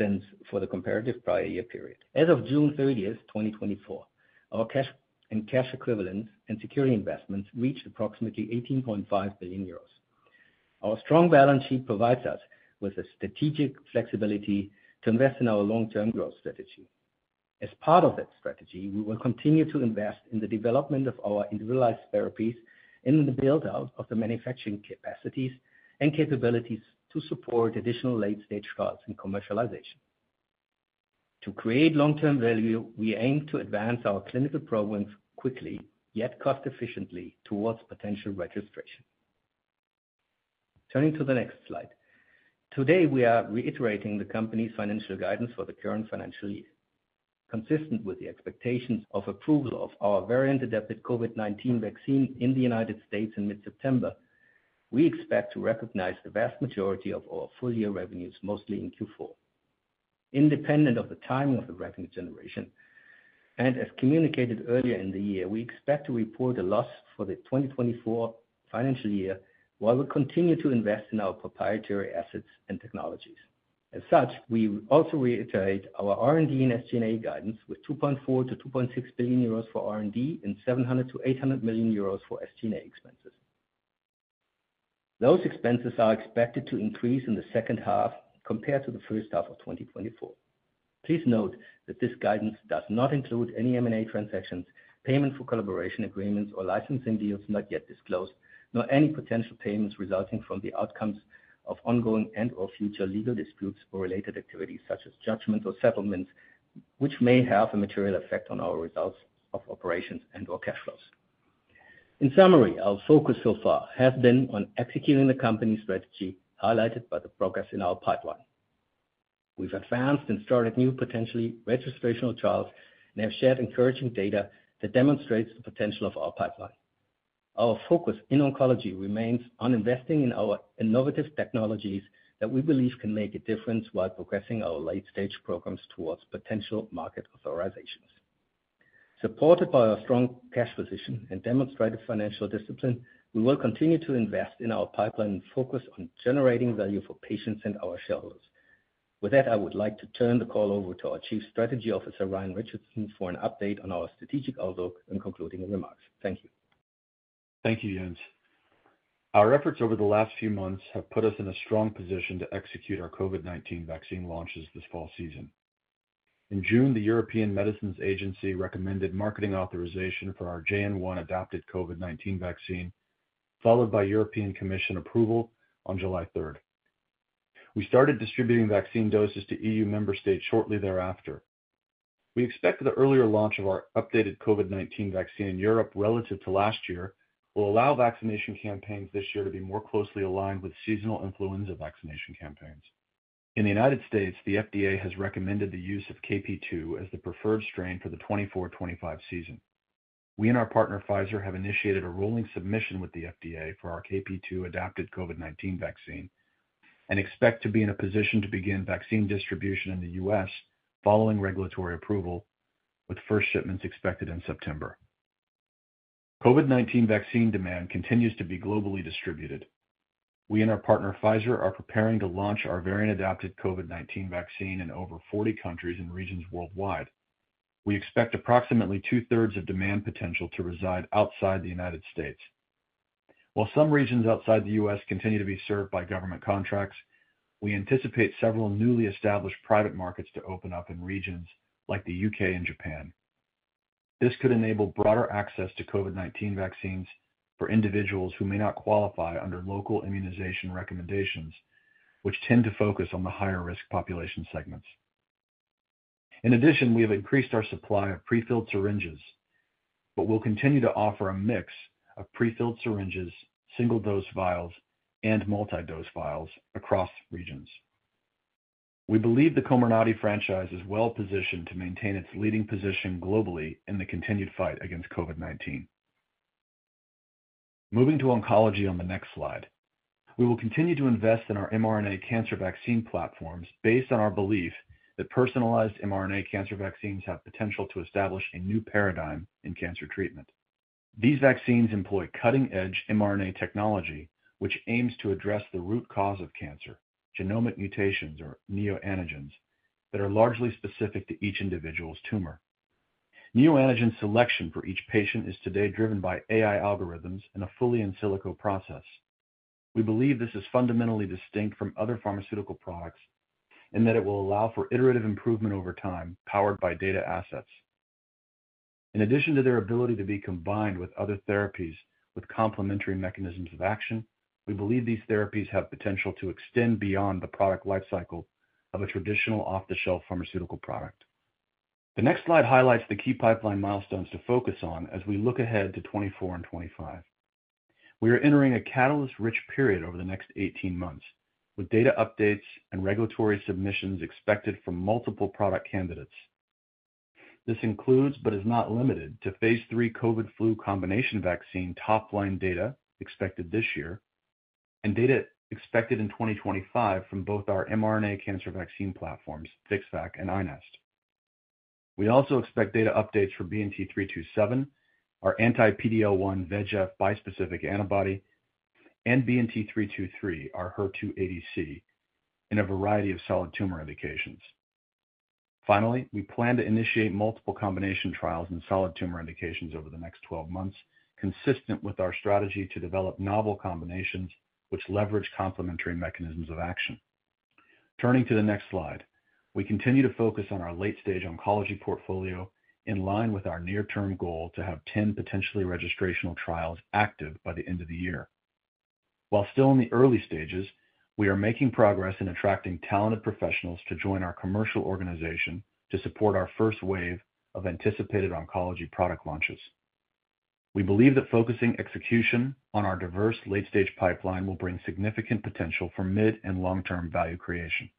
euros for the comparative prior year period. As of June 30, 2024, our cash and cash equivalents and security investments reached approximately 18.5 billion euros. Our strong balance sheet provides us with a strategic flexibility to invest in our long-term growth strategy. As part of that strategy, we will continue to invest in the development of our individualized therapies and in the build-out of the manufacturing capacities and capabilities to support additional late-stage trials and commercialization. To create long-term value, we aim to advance our clinical programs quickly, yet cost-efficiently towards potential registration. Turning to the next slide. Today, we are reiterating the company's financial guidance for the current financial year. Consistent with the expectations of approval of our variant-adapted COVID-19 vaccine in the United States in mid-September, we expect to recognize the vast majority of our full-year revenues, mostly in Q4. Independent of the timing of the revenue generation, and as communicated earlier in the year, we expect to report a loss for the 2024 financial year while we continue to invest in our proprietary assets and technologies. As such, we also reiterate our R&D and SG&A guidance with 2.4 billion-2.6 billion euros for R&D and 700 million-800 million euros for SG&A expenses. Those expenses are expected to increase in the second half compared to the first half of 2024. Please note that this guidance does not include any M&A transactions, payment for collaboration agreements, or licensing deals not yet disclosed, nor any potential payments resulting from the outcomes of ongoing and/or future legal disputes or related activities, such as judgments or settlements, which may have a material effect on our results of operations and/or cash flows. In summary, our focus so far has been on executing the company's strategy highlighted by the progress in our pipeline. We've advanced and started new potentially registrational trials and have shared encouraging data that demonstrates the potential of our pipeline. Our focus in oncology remains on investing in our innovative technologies that we believe can make a difference while progressing our late-stage programs towards potential market authorizations. Supported by our strong cash position and demonstrated financial discipline, we will continue to invest in our pipeline and focus on generating value for patients and our shareholders. With that, I would like to turn the call over to our Chief Strategy Officer, Ryan Richardson, for an update on our strategic outlook and concluding remarks. Thank you. Thank you, Jens. Our efforts over the last few months have put us in a strong position to execute our COVID-19 vaccine launches this fall season. In June, the European Medicines Agency recommended marketing authorization for our JN.1 adapted COVID-19 vaccine, followed by European Commission approval on July 3. We started distributing vaccine doses to EU member states shortly thereafter. We expect the earlier launch of our updated COVID-19 vaccine in Europe relative to last year will allow vaccination campaigns this year to be more closely aligned with seasonal influenza vaccination campaigns. In the United States, the FDA has recommended the use of KP.2 as the preferred strain for the 2024-2025 season. We and our partner, Pfizer, have initiated a rolling submission with the FDA for our KP.2 adapted COVID-19 vaccine and expect to be in a position to begin vaccine distribution in the U.S. following regulatory approval, with first shipments expected in September. COVID-19 vaccine demand continues to be globally distributed. We and our partner, Pfizer, are preparing to launch our variant-adapted COVID-19 vaccine in over 40 countries and regions worldwide. We expect approximately two-thirds of demand potential to reside outside the United States. While some regions outside the U.S. continue to be served by government contracts, we anticipate several newly established private markets to open up in regions like the U.K. and Japan. This could enable broader access to COVID-19 vaccines for individuals who may not qualify under local immunization recommendations, which tend to focus on the higher-risk population segments. In addition, we have increased our supply of prefilled syringes, but we'll continue to offer a mix of prefilled syringes, single-dose vials, and multi-dose vials across regions. We believe the Comirnaty franchise is well-positioned to maintain its leading position globally in the continued fight against COVID-19. Moving to oncology on the next slide. We will continue to invest in our mRNA cancer vaccine platforms based on our belief that personalized mRNA cancer vaccines have potential to establish a new paradigm in cancer treatment. These vaccines employ cutting-edge mRNA technology, which aims to address the root cause of cancer, genomic mutations or neoantigens that are largely specific to each individual's tumor. Neoantigens selection for each patient is today driven by AI algorithms and a fully in silico process. We believe this is fundamentally distinct from other pharmaceutical products in that it will allow for iterative improvement over time, powered by data assets. In addition to their ability to be combined with other therapies with complementary mechanisms of action, we believe these therapies have potential to extend beyond the product lifecycle of a traditional off-the-shelf pharmaceutical product. The next slide highlights the key pipeline milestones to focus on as we look ahead to 2024 and 2025. We are entering a catalyst-rich period over the next 18 months, with data updates and regulatory submissions expected from multiple product candidates. This includes, but is not limited to, phase III COVID flu combination vaccine top-line data expected this year and data expected in 2025 from both our mRNA cancer vaccine platforms, FixVac and iNeST. We also expect data updates for BNT327, our anti-PD-L1 VEGF bispecific antibody, and BNT323, our HER2 ADC, in a variety of solid tumor indications. Finally, we plan to initiate multiple combination trials in solid tumor indications over the next 12 months, consistent with our strategy to develop novel combinations which leverage complementary mechanisms of action. Turning to the next slide, we continue to focus on our late-stage oncology portfolio in line with our near-term goal to have 10 potentially registrational trials active by the end of the year. While still in the early stages, we are making progress in attracting talented professionals to join our commercial organization to support our first wave of anticipated oncology product launches. We believe that focusing execution on our diverse late-stage pipeline will bring significant potential for mid and long-term value creation.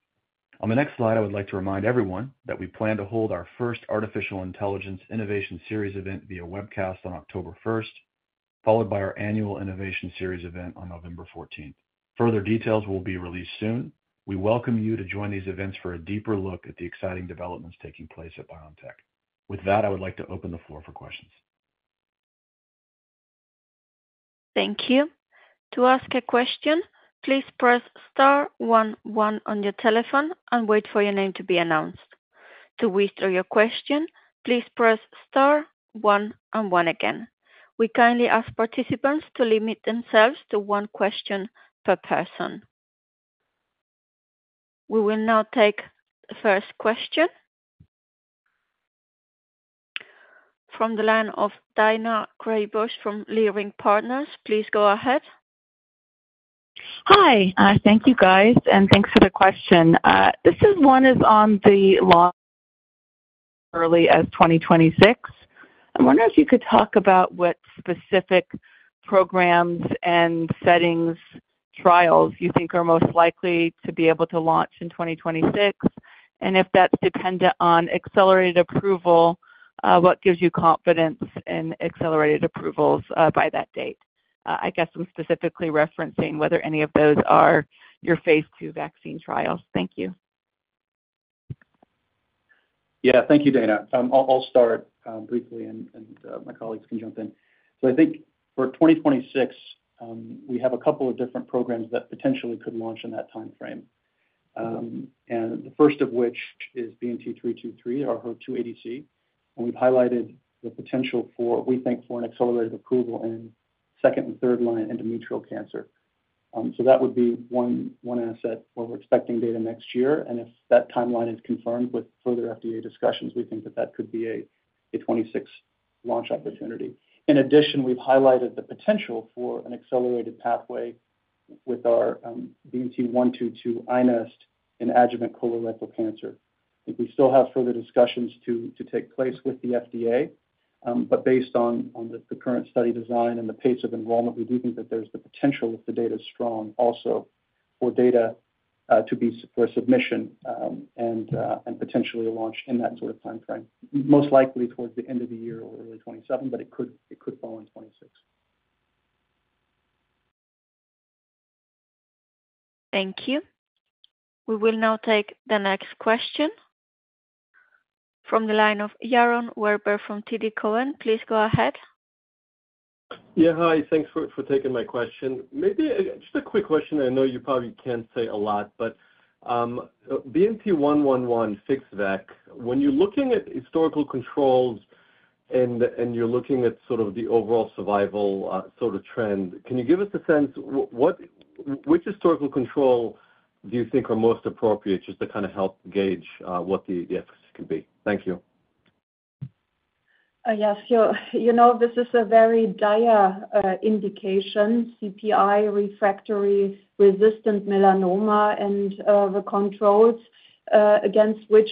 On the next slide, I would like to remind everyone that we plan to hold our first artificial intelligence innovation series event via webcast on October 1st, followed by our annual innovation series event on November 14. Further details will be released soon. We welcome you to join these events for a deeper look at the exciting developments taking place at BioNTech. With that, I would like to open the floor for questions. Thank you. To ask a question, please press star one one on your telephone and wait for your name to be announced. To whisper your question, please press star one one again. We kindly ask participants to limit themselves to one question per person. We will now take the first question from the line of Daina Graybosch from Leerink Partners. Please go ahead. Hi. Thank you, guys, and thanks for the question. This one is on the launch as early as 2026. I wonder if you could talk about what specific programs and settings trials you think are most likely to be able to launch in 2026, and if that's dependent on accelerated approval, what gives you confidence in accelerated approvals by that date? I guess I'm specifically referencing whether any of those are your phase II vaccine trials. Thank you. Yeah. Thank you, Daina. I'll start briefly, and my colleagues can jump in. So I think for 2026, we have a couple of different programs that potentially could launch in that timeframe, and the first of which is BNT323, our HER2 ADC. And we've highlighted the potential for, we think, for an accelerated approval in second- and third-line endometrial cancer. So that would be one asset where we're expecting data next year. And if that timeline is confirmed with further FDA discussions, we think that that could be a 2026 launch opportunity. In addition, we've highlighted the potential for an accelerated pathway with our BNT122, iNeST, and adjuvant colorectal cancer. I think we still have further discussions to take place with the FDA, but based on the current study design and the pace of enrollment, we do think that there's the potential, if the data is strong, also for data to be for submission and potentially a launch in that sort of timeframe, most likely towards the end of the year or early 2027, but it could fall in 2026. Thank you. We will now take the next question from the line of Yaron Werber from TD Cowen. Please go ahead. Yeah. Hi. Thanks for taking my question. Maybe just a quick question. I know you probably can't say a lot, but BNT111, FixVac, when you're looking at historical controls and you're looking at sort of the overall survival sort of trend, can you give us a sense which historical control do you think are most appropriate just to kind of help gauge what the efficacy could be? Thank you. Yes. You know this is a very dire indication, CPI refractory resistant melanoma, and the controls against which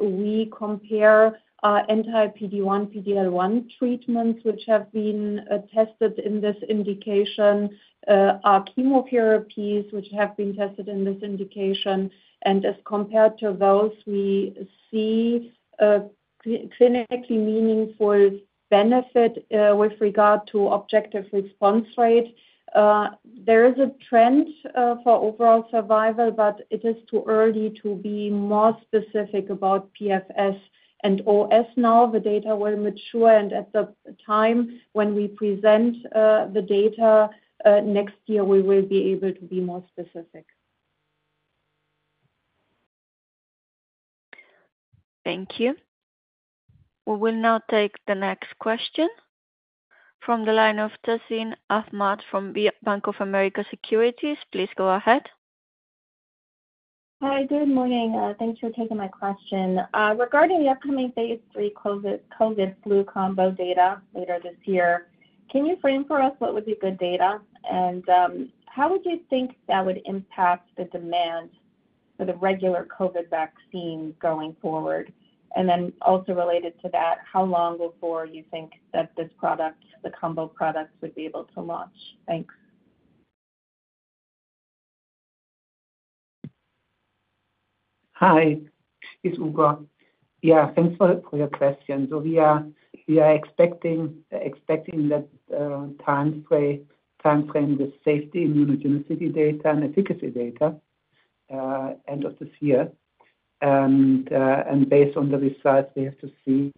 we compare anti-PD-1, PD-L1 treatments which have been tested in this indication, or chemotherapies which have been tested in this indication. And as compared to those, we see clinically meaningful benefit with regard to objective response rate. There is a trend for overall survival, but it is too early to be more specific about PFS and OS. Now the data will mature, and at the time when we present the data next year, we will be able to be more specific. Thank you. We will now take the next question from the line of Tazeen Ahmad from Bank of America Securities. Please go ahead. Hi. Good morning. Thanks for taking my question. Regarding the upcoming phase III COVID flu combo data later this year, can you frame for us what would be good data and how would you think that would impact the demand for the regular COVID vaccine going forward? And then also related to that, how long before you think that this product, the combo product, would be able to launch? Thanks. Hi. It's Ugur. Yeah. Thanks for your question. So we are expecting that timeframe with safety immunogenicity data and efficacy data end of this year. And based on the results, we have to see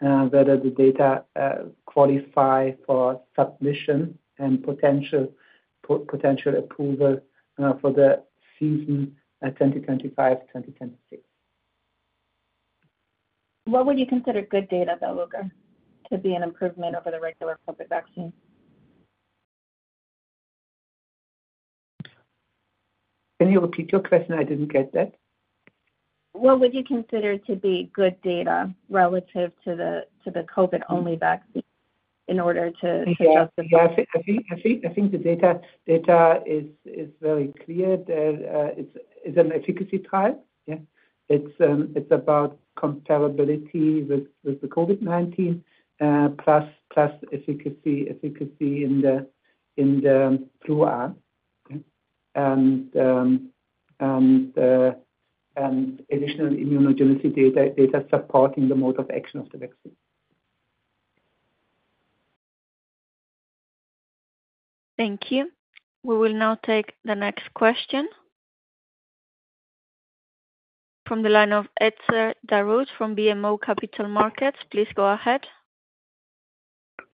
whether the data qualify for submission and potential approval for the season 2025-2026. What would you consider good data, though, Ugur, to be an improvement over the regular COVID vaccine? Can you repeat your question? I didn't get that. What would you consider to be good data relative to the COVID-only vaccine in order to justify? Yeah. I think the data is very clear. It's an efficacy trial. Yeah. It's about compatibility with the COVID-19 plus efficacy in the flu arm and additional immunogenicity data supporting the mode of action of the vaccine. Thank you. We will now take the next question from the line of Etzer Darout from BMO Capital Markets. Please go ahead.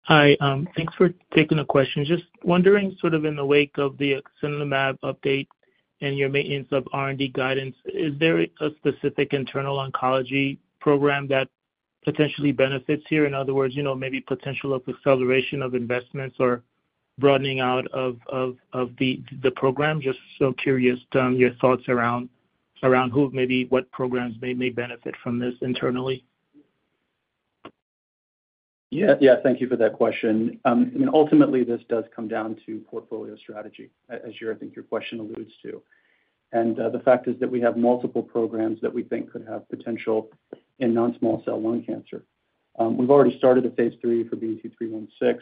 Hi. Thanks for taking the question. Just wondering sort of in the wake of the acasunlimab update and your maintenance of R&D guidance, is there a specific internal oncology program that potentially benefits here? In other words, maybe potential of acceleration of investments or broadening out of the program? Just so curious your thoughts around who maybe what programs may benefit from this internally. Yeah. Yeah. Thank you for that question. I mean, ultimately, this does come down to portfolio strategy, as I think your question alludes to. And the fact is that we have multiple programs that we think could have potential in non-small cell lung cancer. We've already started the phase III for BNT116.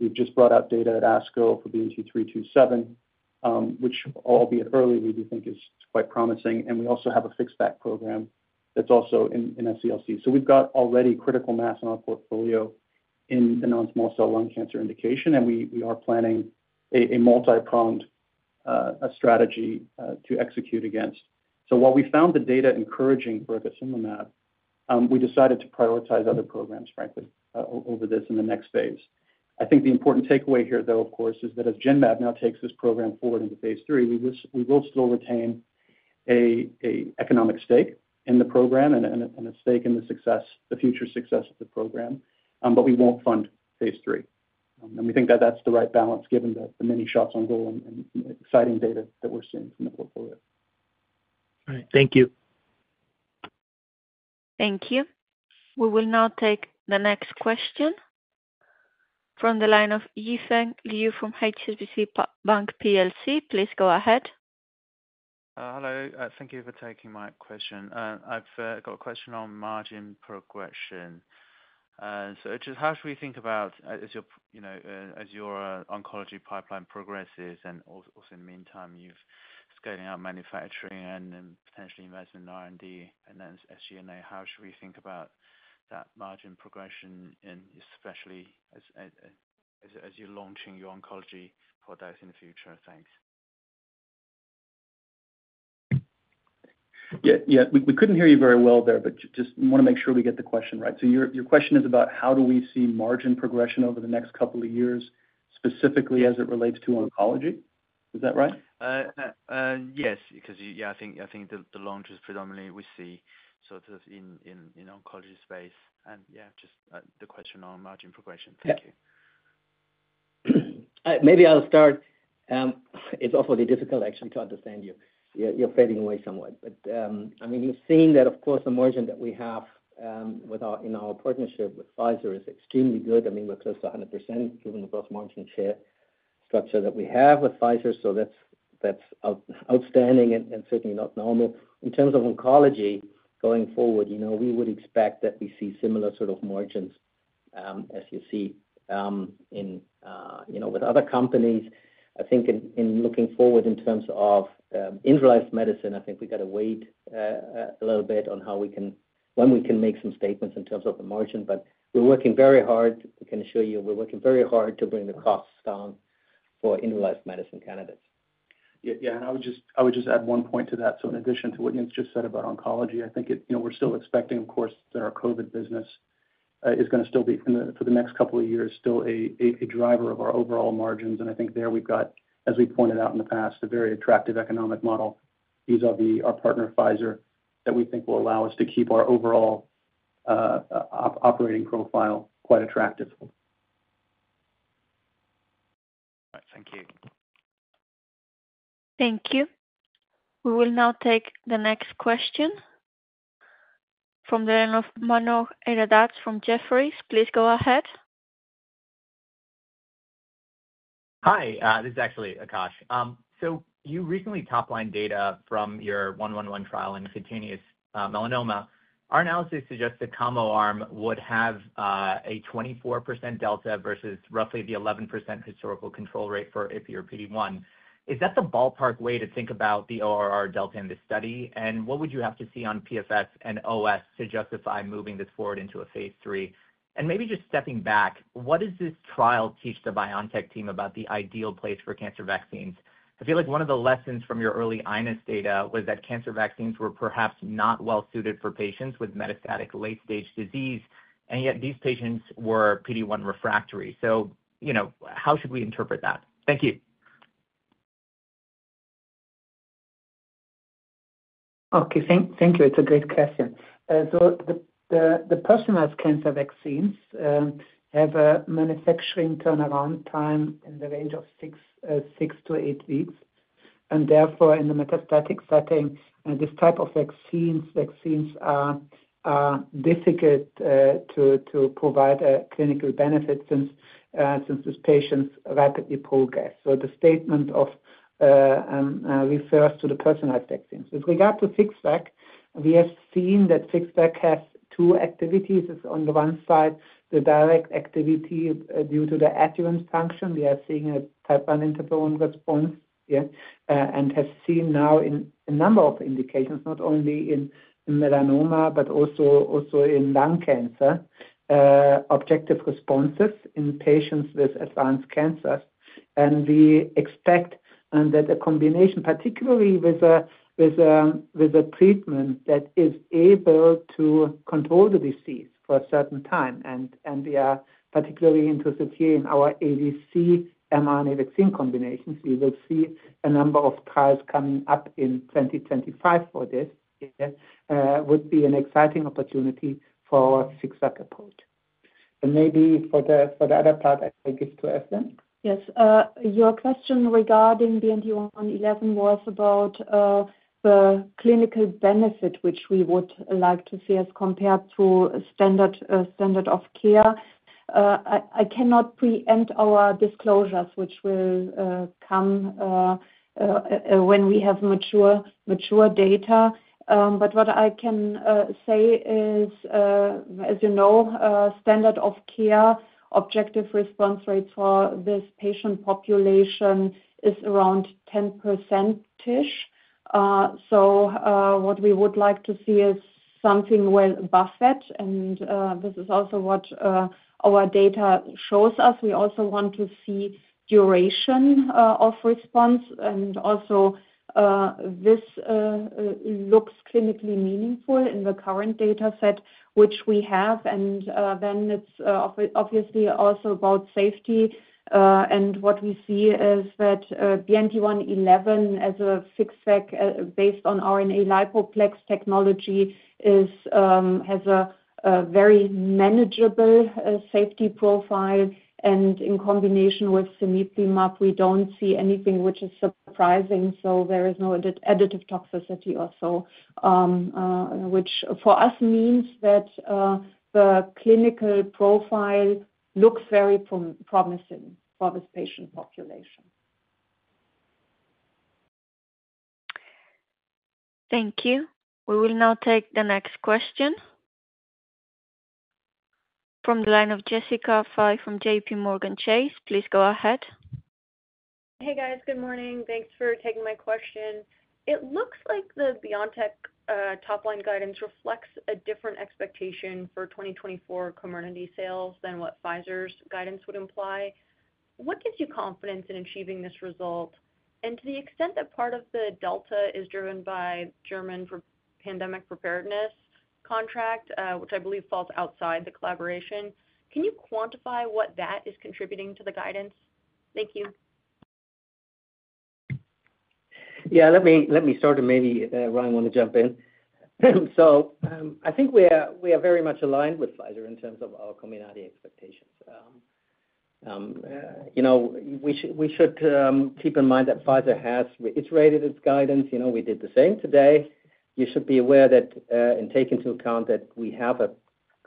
We've just brought out data at ASCO for BNT327, which, albeit early, we do think is quite promising. And we also have a FixVac program that's also in SCLC. So we've got already critical mass in our portfolio in the non-small cell lung cancer indication, and we are planning a multi-pronged strategy to execute against. So while we found the data encouraging for acasunlimab, we decided to prioritize other programs, frankly, over this in the next phase. I think the important takeaway here, though, of course, is that as Genmab now takes this program forward into phase III, we will still retain an economic stake in the program and a stake in the future success of the program, but we won't fund phase III. And we think that that's the right balance given the many shots on goal and exciting data that we're seeing from the portfolio. All right. Thank you. Thank you. We will now take the next question from the line of Yifeng Liu from HSBC Bank PLC. Please go ahead. Hello. Thank you for taking my question. I've got a question on margin progression. So just how should we think about as your oncology pipeline progresses and also, in the meantime, you've scaling out manufacturing and potentially investment in R&D and then SG&A, how should we think about that margin progression, especially as you're launching your oncology products in the future? Thanks. Yeah. Yeah. We couldn't hear you very well there, but just want to make sure we get the question right. So your question is about how do we see margin progression over the next couple of years, specifically as it relates to oncology? Is that right? Yes. Because yeah, I think the launches predominantly we see sort of in oncology space. And yeah, just the question on margin progression. Thank you. Maybe I'll start. It's awfully difficult, actually, to understand you. You're fading away somewhat. But I mean, we've seen that, of course, the margin that we have in our partnership with Pfizer is extremely good. I mean, we're close to 100% given the gross margin share structure that we have with Pfizer. So that's outstanding and certainly not normal. In terms of oncology going forward, we would expect that we see similar sort of margins as you see with other companies. I think in looking forward in terms of individualized medicine, I think we got to wait a little bit on how we can when we can make some statements in terms of the margin. But we're working very hard. I can assure you we're working very hard to bring the costs down for individualized medicine candidates. Yeah. And I would just add one point to that. So in addition to what you just said about oncology, I think we're still expecting, of course, that our COVID business is going to still be, for the next couple of years, still a driver of our overall margins. And I think there we've got, as we've pointed out in the past, a very attractive economic model, vis-à-vis our partner, Pfizer, that we think will allow us to keep our overall operating profile quite attractive. All right. Thank you. Thank you. We will now take the next question from Michael Yee from Jefferies. Please go ahead. Hi. This is actually Akash. So you recently toplined data from your 111 trial in cutaneous melanoma. Our analysis suggests that combo arm would have a 24% delta versus roughly the 11% historical control rate for ipi/PD-1. Is that the ballpark way to think about the ORR delta in this study? What would you have to see on PFS and OS to justify moving this forward into a phase III? And maybe just stepping back, what does this trial teach the BioNTech team about the ideal place for cancer vaccines? I feel like one of the lessons from your early iNeST data was that cancer vaccines were perhaps not well-suited for patients with metastatic late-stage disease, and yet these patients were PD-1 refractory. So how should we interpret that? Thank you. Okay. Thank you. It's a great question. So the personalized cancer vaccines have a manufacturing turnaround time in the range of 6-8 weeks. And therefore, in the metastatic setting, this type of vaccines are difficult to provide a clinical benefit since these patients rapidly progress. So the statement refers to the personalized vaccines. With regard to FixVac, we have seen that FixVac has two activities. It's on the one side, the direct activity due to the adjuvant function. We are seeing a type I interferon response, yeah, and have seen now in a number of indications, not only in melanoma but also in lung cancer, objective responses in patients with advanced cancers. And we expect that a combination, particularly with a treatment that is able to control the disease for a certain time. And we are particularly interested here in our ADC mRNA vaccine combinations. We will see a number of trials coming up in 2025 for this. It would be an exciting opportunity for our FixVac approach. And maybe for the other part, I give to Özlem. Yes. Your question regarding BNT111 was about the clinical benefit, which we would like to see as compared to standard of care. I cannot preempt our disclosures, which will come when we have mature data. But what I can say is, as you know, standard of care, objective response rates for this patient population is around 10%-ish. What we would like to see is something well above that. This is also what our data shows us. We also want to see duration of response. This looks clinically meaningful in the current dataset which we have. Then it's obviously also about safety. What we see is that BNT111, as a FixVac based on RNA lipoplex technology, has a very manageable safety profile. In combination with cemiplimab, we don't see anything which is surprising. There is no additive toxicity or so, which for us means that the clinical profile looks very promising for this patient population. Thank you. We will now take the next question from the line of Jessica Fye from JPMorgan Chase. Please go ahead. Hey, guys. Good morning. Thanks for taking my question. It looks like the BioNTech top-line guidance reflects a different expectation for 2024 Comirnaty sales than what Pfizer's guidance would imply. What gives you confidence in achieving this result? And to the extent that part of the delta is driven by German pandemic preparedness contract, which I believe falls outside the collaboration, can you quantify what that is contributing to the guidance? Thank you. Yeah. Let me start. And maybe Ryan wants to jump in. So I think we are very much aligned with Pfizer in terms of our combined expectations. We should keep in mind that Pfizer has iterated its guidance. We did the same today. You should be aware that, and take into account that we have a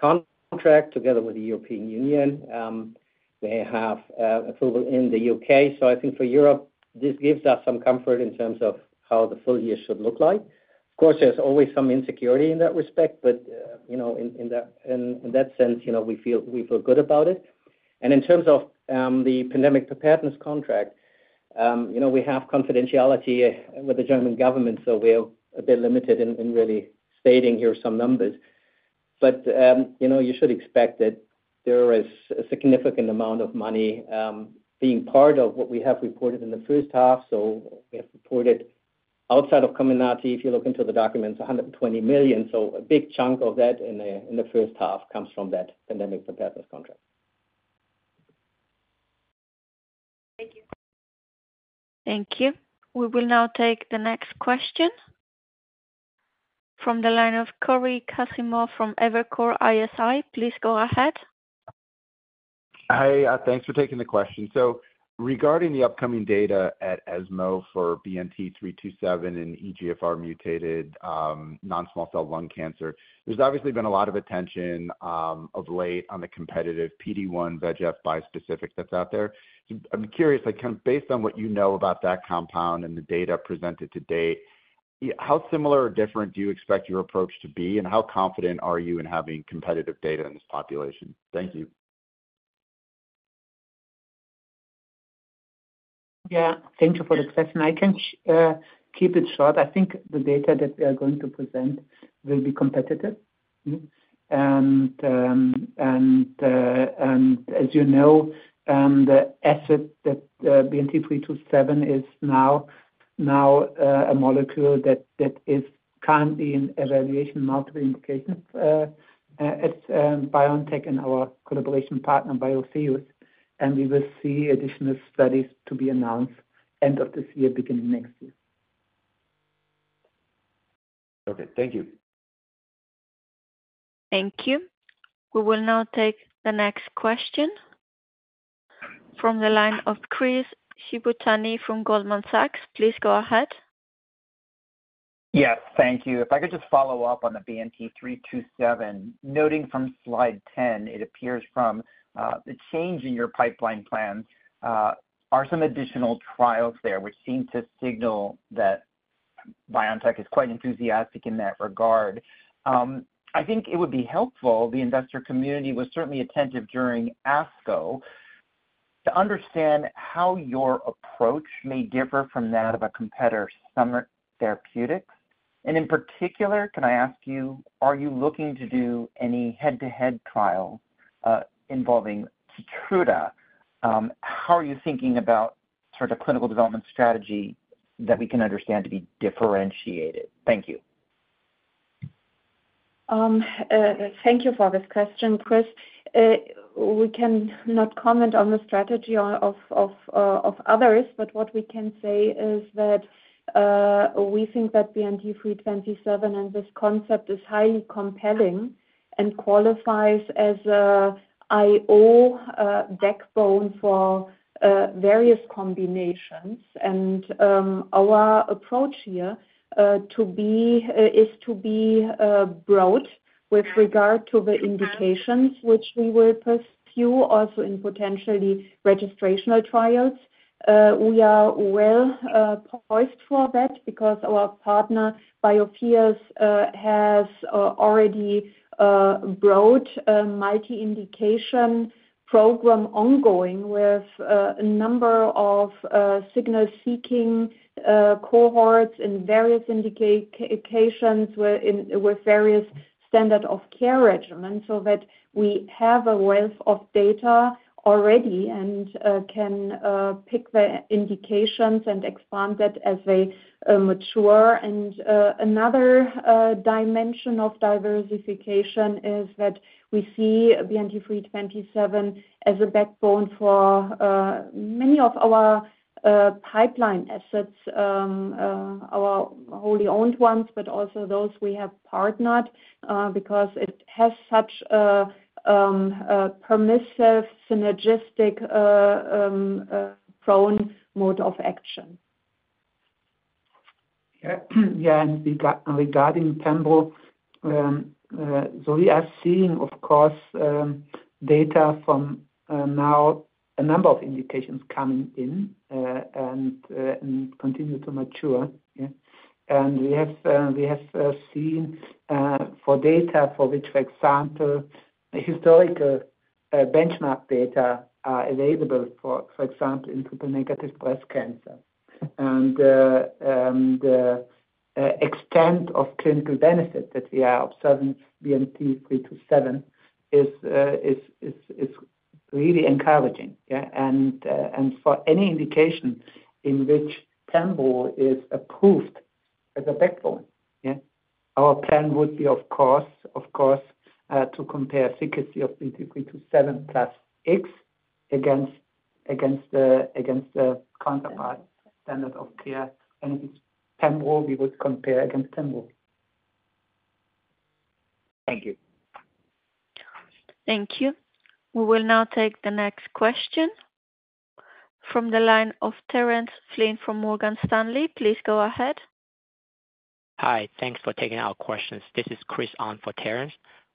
contract together with the European Union. We have approval in the U.K. So I think for Europe, this gives us some comfort in terms of how the full year should look like. Of course, there's always some insecurity in that respect. But in that sense, we feel good about it. And in terms of the pandemic preparedness contract, we have confidentiality with the German government. So we're a bit limited in really stating here some numbers. But you should expect that there is a significant amount of money being part of what we have reported in the first half. So we have reported outside of Comirnaty, if you look into the documents, 120 million. So a big chunk of that in the first half comes from that pandemic preparedness contract. Thank you. Thank you. We will now take the next question from the line of Cory Kasimov from Evercore ISI. Please go ahead. Hi. Thanks for taking the question. Regarding the upcoming data at ESMO for BNT327 and EGFR-mutated non-small cell lung cancer, there's obviously been a lot of attention of late on the competitive PD-1 VEGF bispecific that's out there. I'm curious, kind of based on what you know about that compound and the data presented to date, how similar or different do you expect your approach to be? And how confident are you in having competitive data in this population? Thank you. Yeah. Thank you for the question. I can keep it short. I think the data that we are going to present will be competitive. And as you know, the asset that BNT327 is now a molecule that is currently in evaluation multiple indications at BioNTech and our collaboration partner, Biotheus. And we will see additional studies to be announced end of this year, beginning next year. Okay. Thank you. Thank you. We will now take the next question from the line of Chris Shibutani from Goldman Sachs. Please go ahead. Yes. Thank you. If I could just follow up on the BNT327. Noting from slide 10, it appears, from the change in your pipeline plans, there are some additional trials there, which seem to signal that BioNTech is quite enthusiastic in that regard. I think it would be helpful. The investor community was certainly attentive during ASCO, to understand how your approach may differ from that of a competitor, Summit Therapeutics. And in particular, can I ask you, are you looking to do any head-to-head trials involving Keytruda? How are you thinking about sort of clinical development strategy that we can understand to be differentiated? Thank you. Thank you for this question, Chris. We can not comment on the strategy of others. But what we can say is that we think that BNT327 and this concept is highly compelling and qualifies as an IO backbone for various combinations. And our approach here is to be broad with regard to the indications, which we will pursue also in potentially registrational trials. We are well poised for that because our partner, Biotheus, has already brought a multi-indication program ongoing with a number of signal-seeking cohorts in various indications with various standard of care regimens so that we have a wealth of data already and can pick the indications and expand that as they mature. And another dimension of diversification is that we see BNT327 as a backbone for many of our pipeline assets, our wholly owned ones, but also those we have partnered because it has such permissive synergistic prone mode of action. Yeah. Regarding pembrolizumab, so we are seeing, of course, data from now, a number of indications coming in and continue to mature. We have seen data for which, for example, historical benchmark data are available, for example, in triple-negative breast cancer. The extent of clinical benefit that we are observing with BNT327 is really encouraging. For any indication in which pembrolizumab is approved as a backbone, our plan would be, of course, to compare ORR of BNT327 plus X against the counterpart standard of care. If it's pembrolizumab, we would compare against pembrolizumab. Thank you. Thank you. We will now take the next question from the line of Terence Flynn from Morgan Stanley. Please go ahead. Hi. Thanks for taking our questions. This is Chris Ahn for Terence.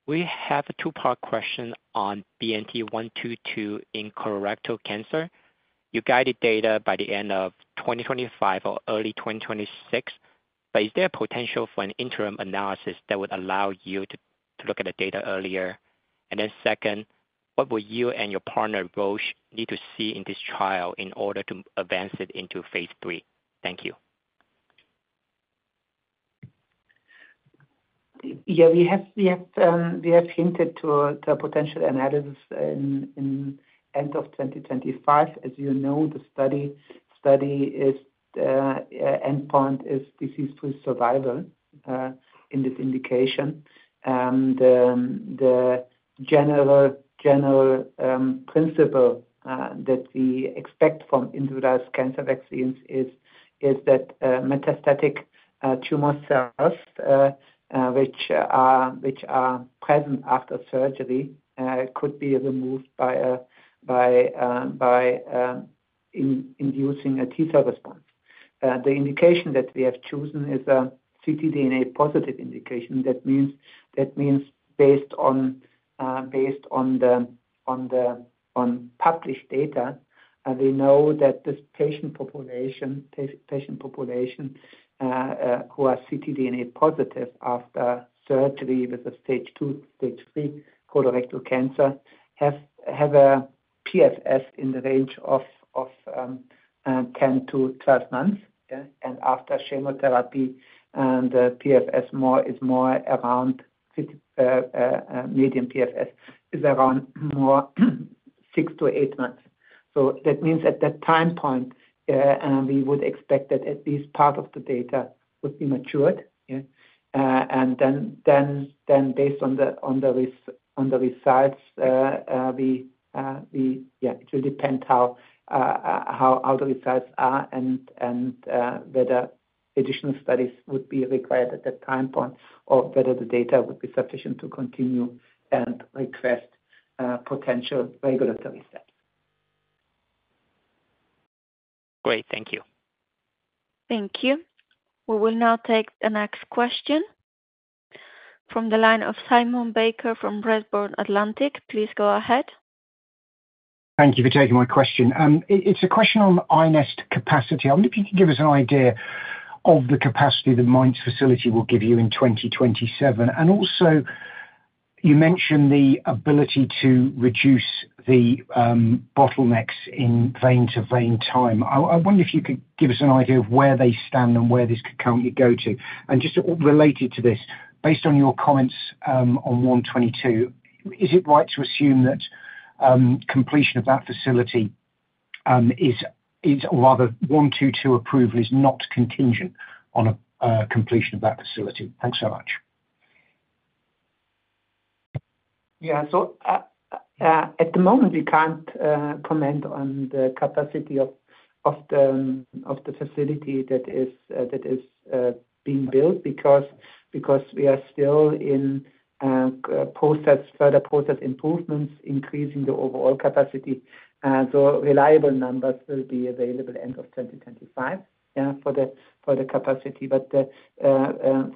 We have a two-part question on BNT122 in colorectal cancer. Updated data by the end of 2025 or early 2026. But is there a potential for an interim analysis that would allow you to look at the data earlier? And then second, what will you and your partner, Roche, need to see in this trial in order to advance it into phase 3? Thank you. Yeah. We have hinted to a potential analysis in end of 2025. As you know, the study's endpoint is disease-free survival in this indication. And the general principle that we expect from individualized cancer vaccines is that metastatic tumor cells, which are present after surgery, could be removed by inducing a T-cell response. The indication that we have chosen is a ctDNA-positive indication. That means based on the published data, we know that this patient population who are ctDNA-positive after surgery with a stage II, stage III colorectal cancer have a PFS in the range of 10-12 months. And after chemotherapy, the PFS is more around median PFS is around more 6-8 months. So that means at that time point, we would expect that at least part of the data would be matured. And then based on the results, yeah, it will depend how the results are and whether additional studies would be required at that time point or whether the data would be sufficient to continue and request potential regulatory steps. Great. Thank you. Thank you. We will now take the next question from the line of Simon Baker from Redburn Atlantic. Please go ahead. Thank you for taking my question. It's a question on iNeST capacity. I wonder if you can give us an idea of the capacity that Mainz facility will give you in 2027. And also, you mentioned the ability to reduce the bottlenecks in vein-to-vein time. I wonder if you could give us an idea of where they stand and where this could currently go to. And just related to this, based on your comments on 122, is it right to assume that completion of that facility is rather 122 approval is not contingent on completion of that facility? Thanks so much. Yeah. So at the moment, we can't comment on the capacity of the facility that is being built because we are still in further process improvements, increasing the overall capacity. So reliable numbers will be available end of 2025 for the capacity. But the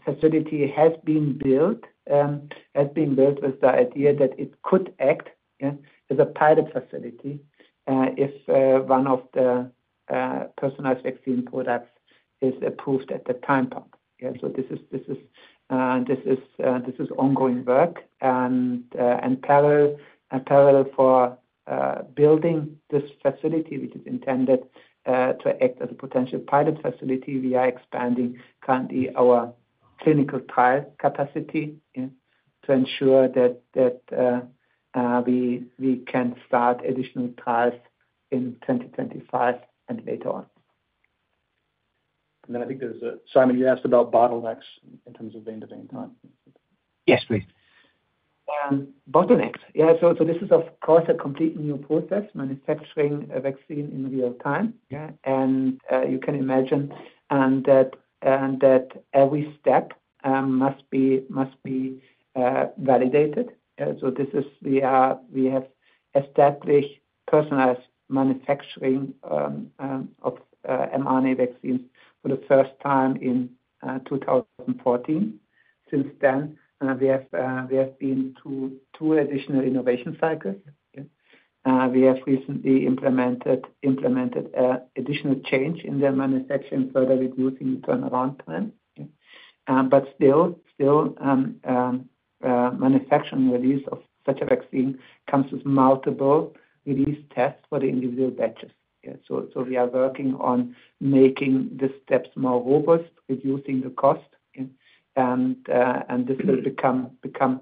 facility has been built, has been built with the idea that it could act as a pilot facility if one of the personalized vaccine products is approved at that time point. So this is ongoing work. And parallel for building this facility, which is intended to act as a potential pilot facility, we are expanding currently our clinical trial capacity to ensure that we can start additional trials in 2025 and later on. And then I think there's Simon, you asked about bottlenecks in terms of vein-to-vein time? Yes, please. Bottlenecks. Yeah. So this is, of course, a completely new process, manufacturing a vaccine in real time. And you can imagine that every step must be validated. So this is we have established personalized manufacturing of mRNA vaccines for the first time in 2014. Since then, we have been through two additional innovation cycles. We have recently implemented an additional change in the manufacturing, further reducing the turnaround time. But still, manufacturing release of such a vaccine comes with multiple release tests for the individual batches. So we are working on making the steps more robust, reducing the cost. And this will become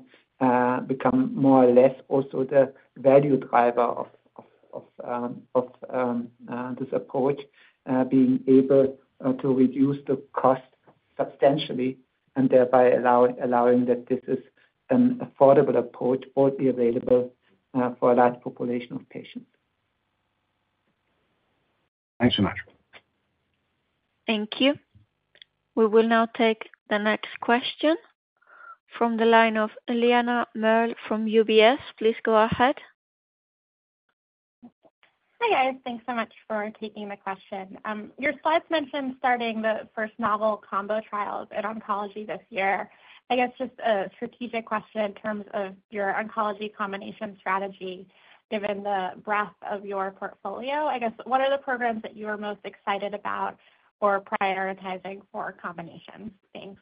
more or less also the value driver of this approach, being able to reduce the cost substantially and thereby allowing that this is an affordable approach broadly available for a large population of patients. Thanks so much. Thank you. We will now take the next question from the line of Eliana Merle from UBS. Please go ahead. Hi, guys. Thanks so much for taking the question. Your slides mentioned starting the first novel combo trials in oncology this year. I guess just a strategic question in terms of your oncology combination strategy, given the breadth of your portfolio. I guess, what are the programs that you are most excited about or prioritizing for combinations? Thanks.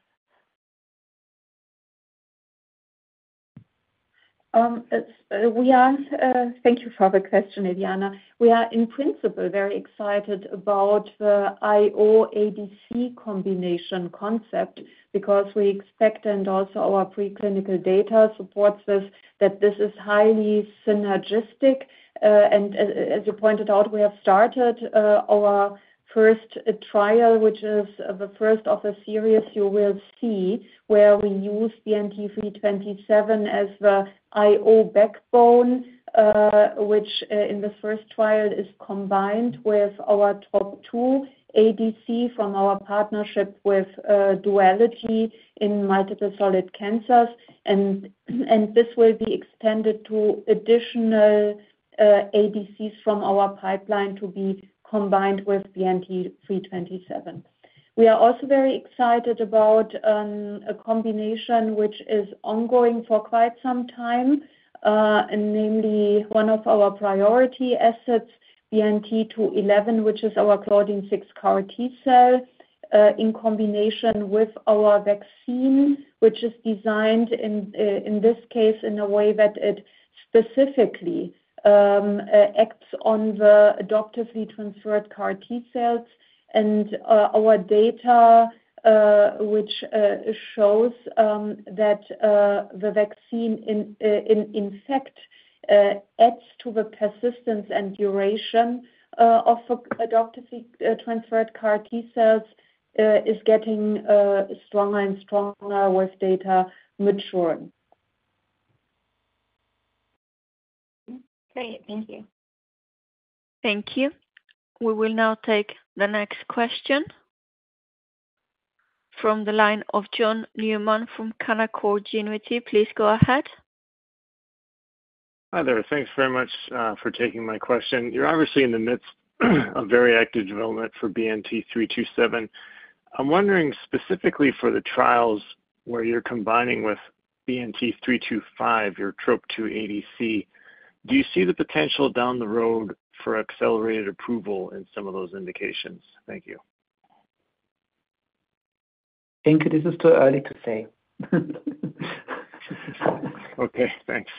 Thank you for the question, Eliana. We are, in principle, very excited about the IO-ADC combination concept because we expect and also our preclinical data supports this, that this is highly synergistic. And as you pointed out, we have started our first trial, which is the first of a series you will see where we use BNT327 as the IO backbone, which in the first trial is combined with our TROP2 ADC from our partnership with Duality in multiple solid cancers. And this will be extended to additional ADCs from our pipeline to be combined with BNT327. We are also very excited about a combination which is ongoing for quite some time, namely one of our priority assets, BNT211, which is our Claudin-6 CAR T-cell in combination with our vaccine, which is designed in this case in a way that it specifically acts on the adoptively transferred CAR T-cells. Our data, which shows that the vaccine, in fact, adds to the persistence and duration of adoptively transferred CAR T-cells is getting stronger and stronger with data maturing. Great. Thank you. Thank you. We will now take the next question from the line of John Newman from Canaccord Genuity. Please go ahead. Hi there. Thanks very much for taking my question. You're obviously in the midst of very active development for BNT327. I'm wondering specifically for the trials where you're combining with BNT325, your TROP2 ADC. Do you see the potential down the road for accelerated approval in some of those indications? Thank you. Thank you. This is too early to say. Okay. Thanks.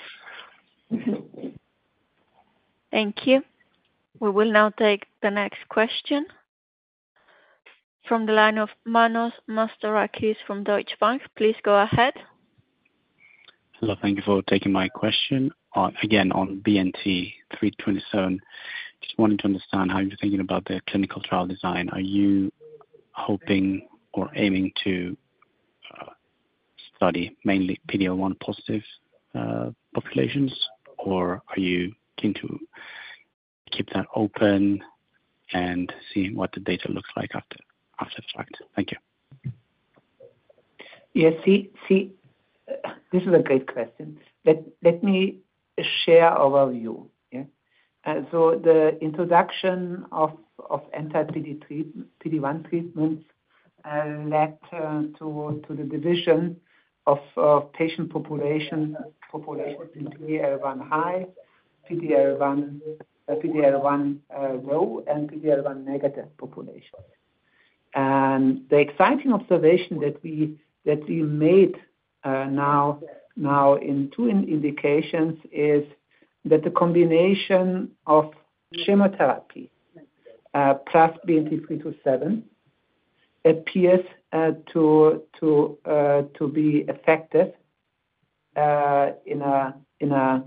Thank you. We will now take the next question from the line of Manos Mastorakis from Deutsche Bank. Please go ahead. Hello. Thank you for taking my question. Again, on BNT327, just wanting to understand how you're thinking about the clinical trial design. Are you hoping or aiming to study mainly PD-L1 positive populations, or are you keen to keep that open and see what the data looks like after the fact? Thank you. Yeah. This is a great question. Let me share our view. So the introduction of anti-PD-1 treatments led to the division of patient population in PD-L1 high, PD-L1 low, and PD-L1 negative populations. The exciting observation that we made now in two indications is that the combination of chemotherapy plus BNT327 appears to be effective in a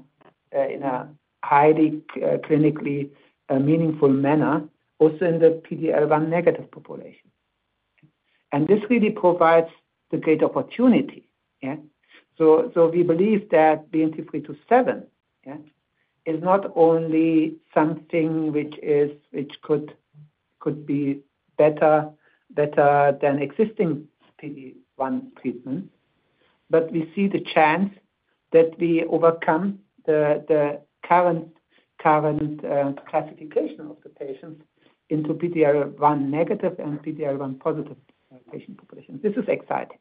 highly clinically meaningful manner also in the PD-L1 negative population. This really provides the great opportunity. We believe that BNT327 is not only something which could be better than existing PD-1 treatments, but we see the chance that we overcome the current classification of the patients into PD-L1 negative and PD-L1 positive patient populations. This is exciting.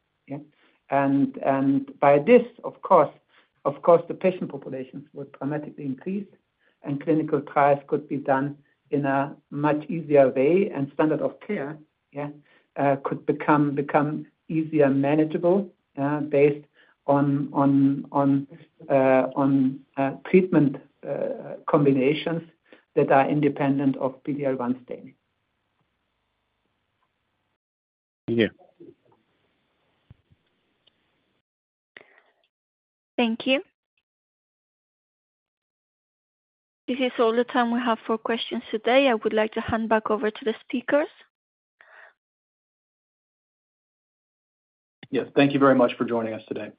By this, of course, the patient populations would dramatically increase, and clinical trials could be done in a much easier way, and standard of care could become easier manageable based on treatment combinations that are independent of PD-L1 staining. Thank you. Thank you. This is all the time we have for questions today. I would like to hand back over to the speakers. Yes. Thank you very much for joining us today.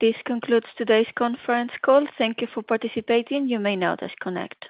This concludes today's conference call. Thank you for participating. You may now disconnect.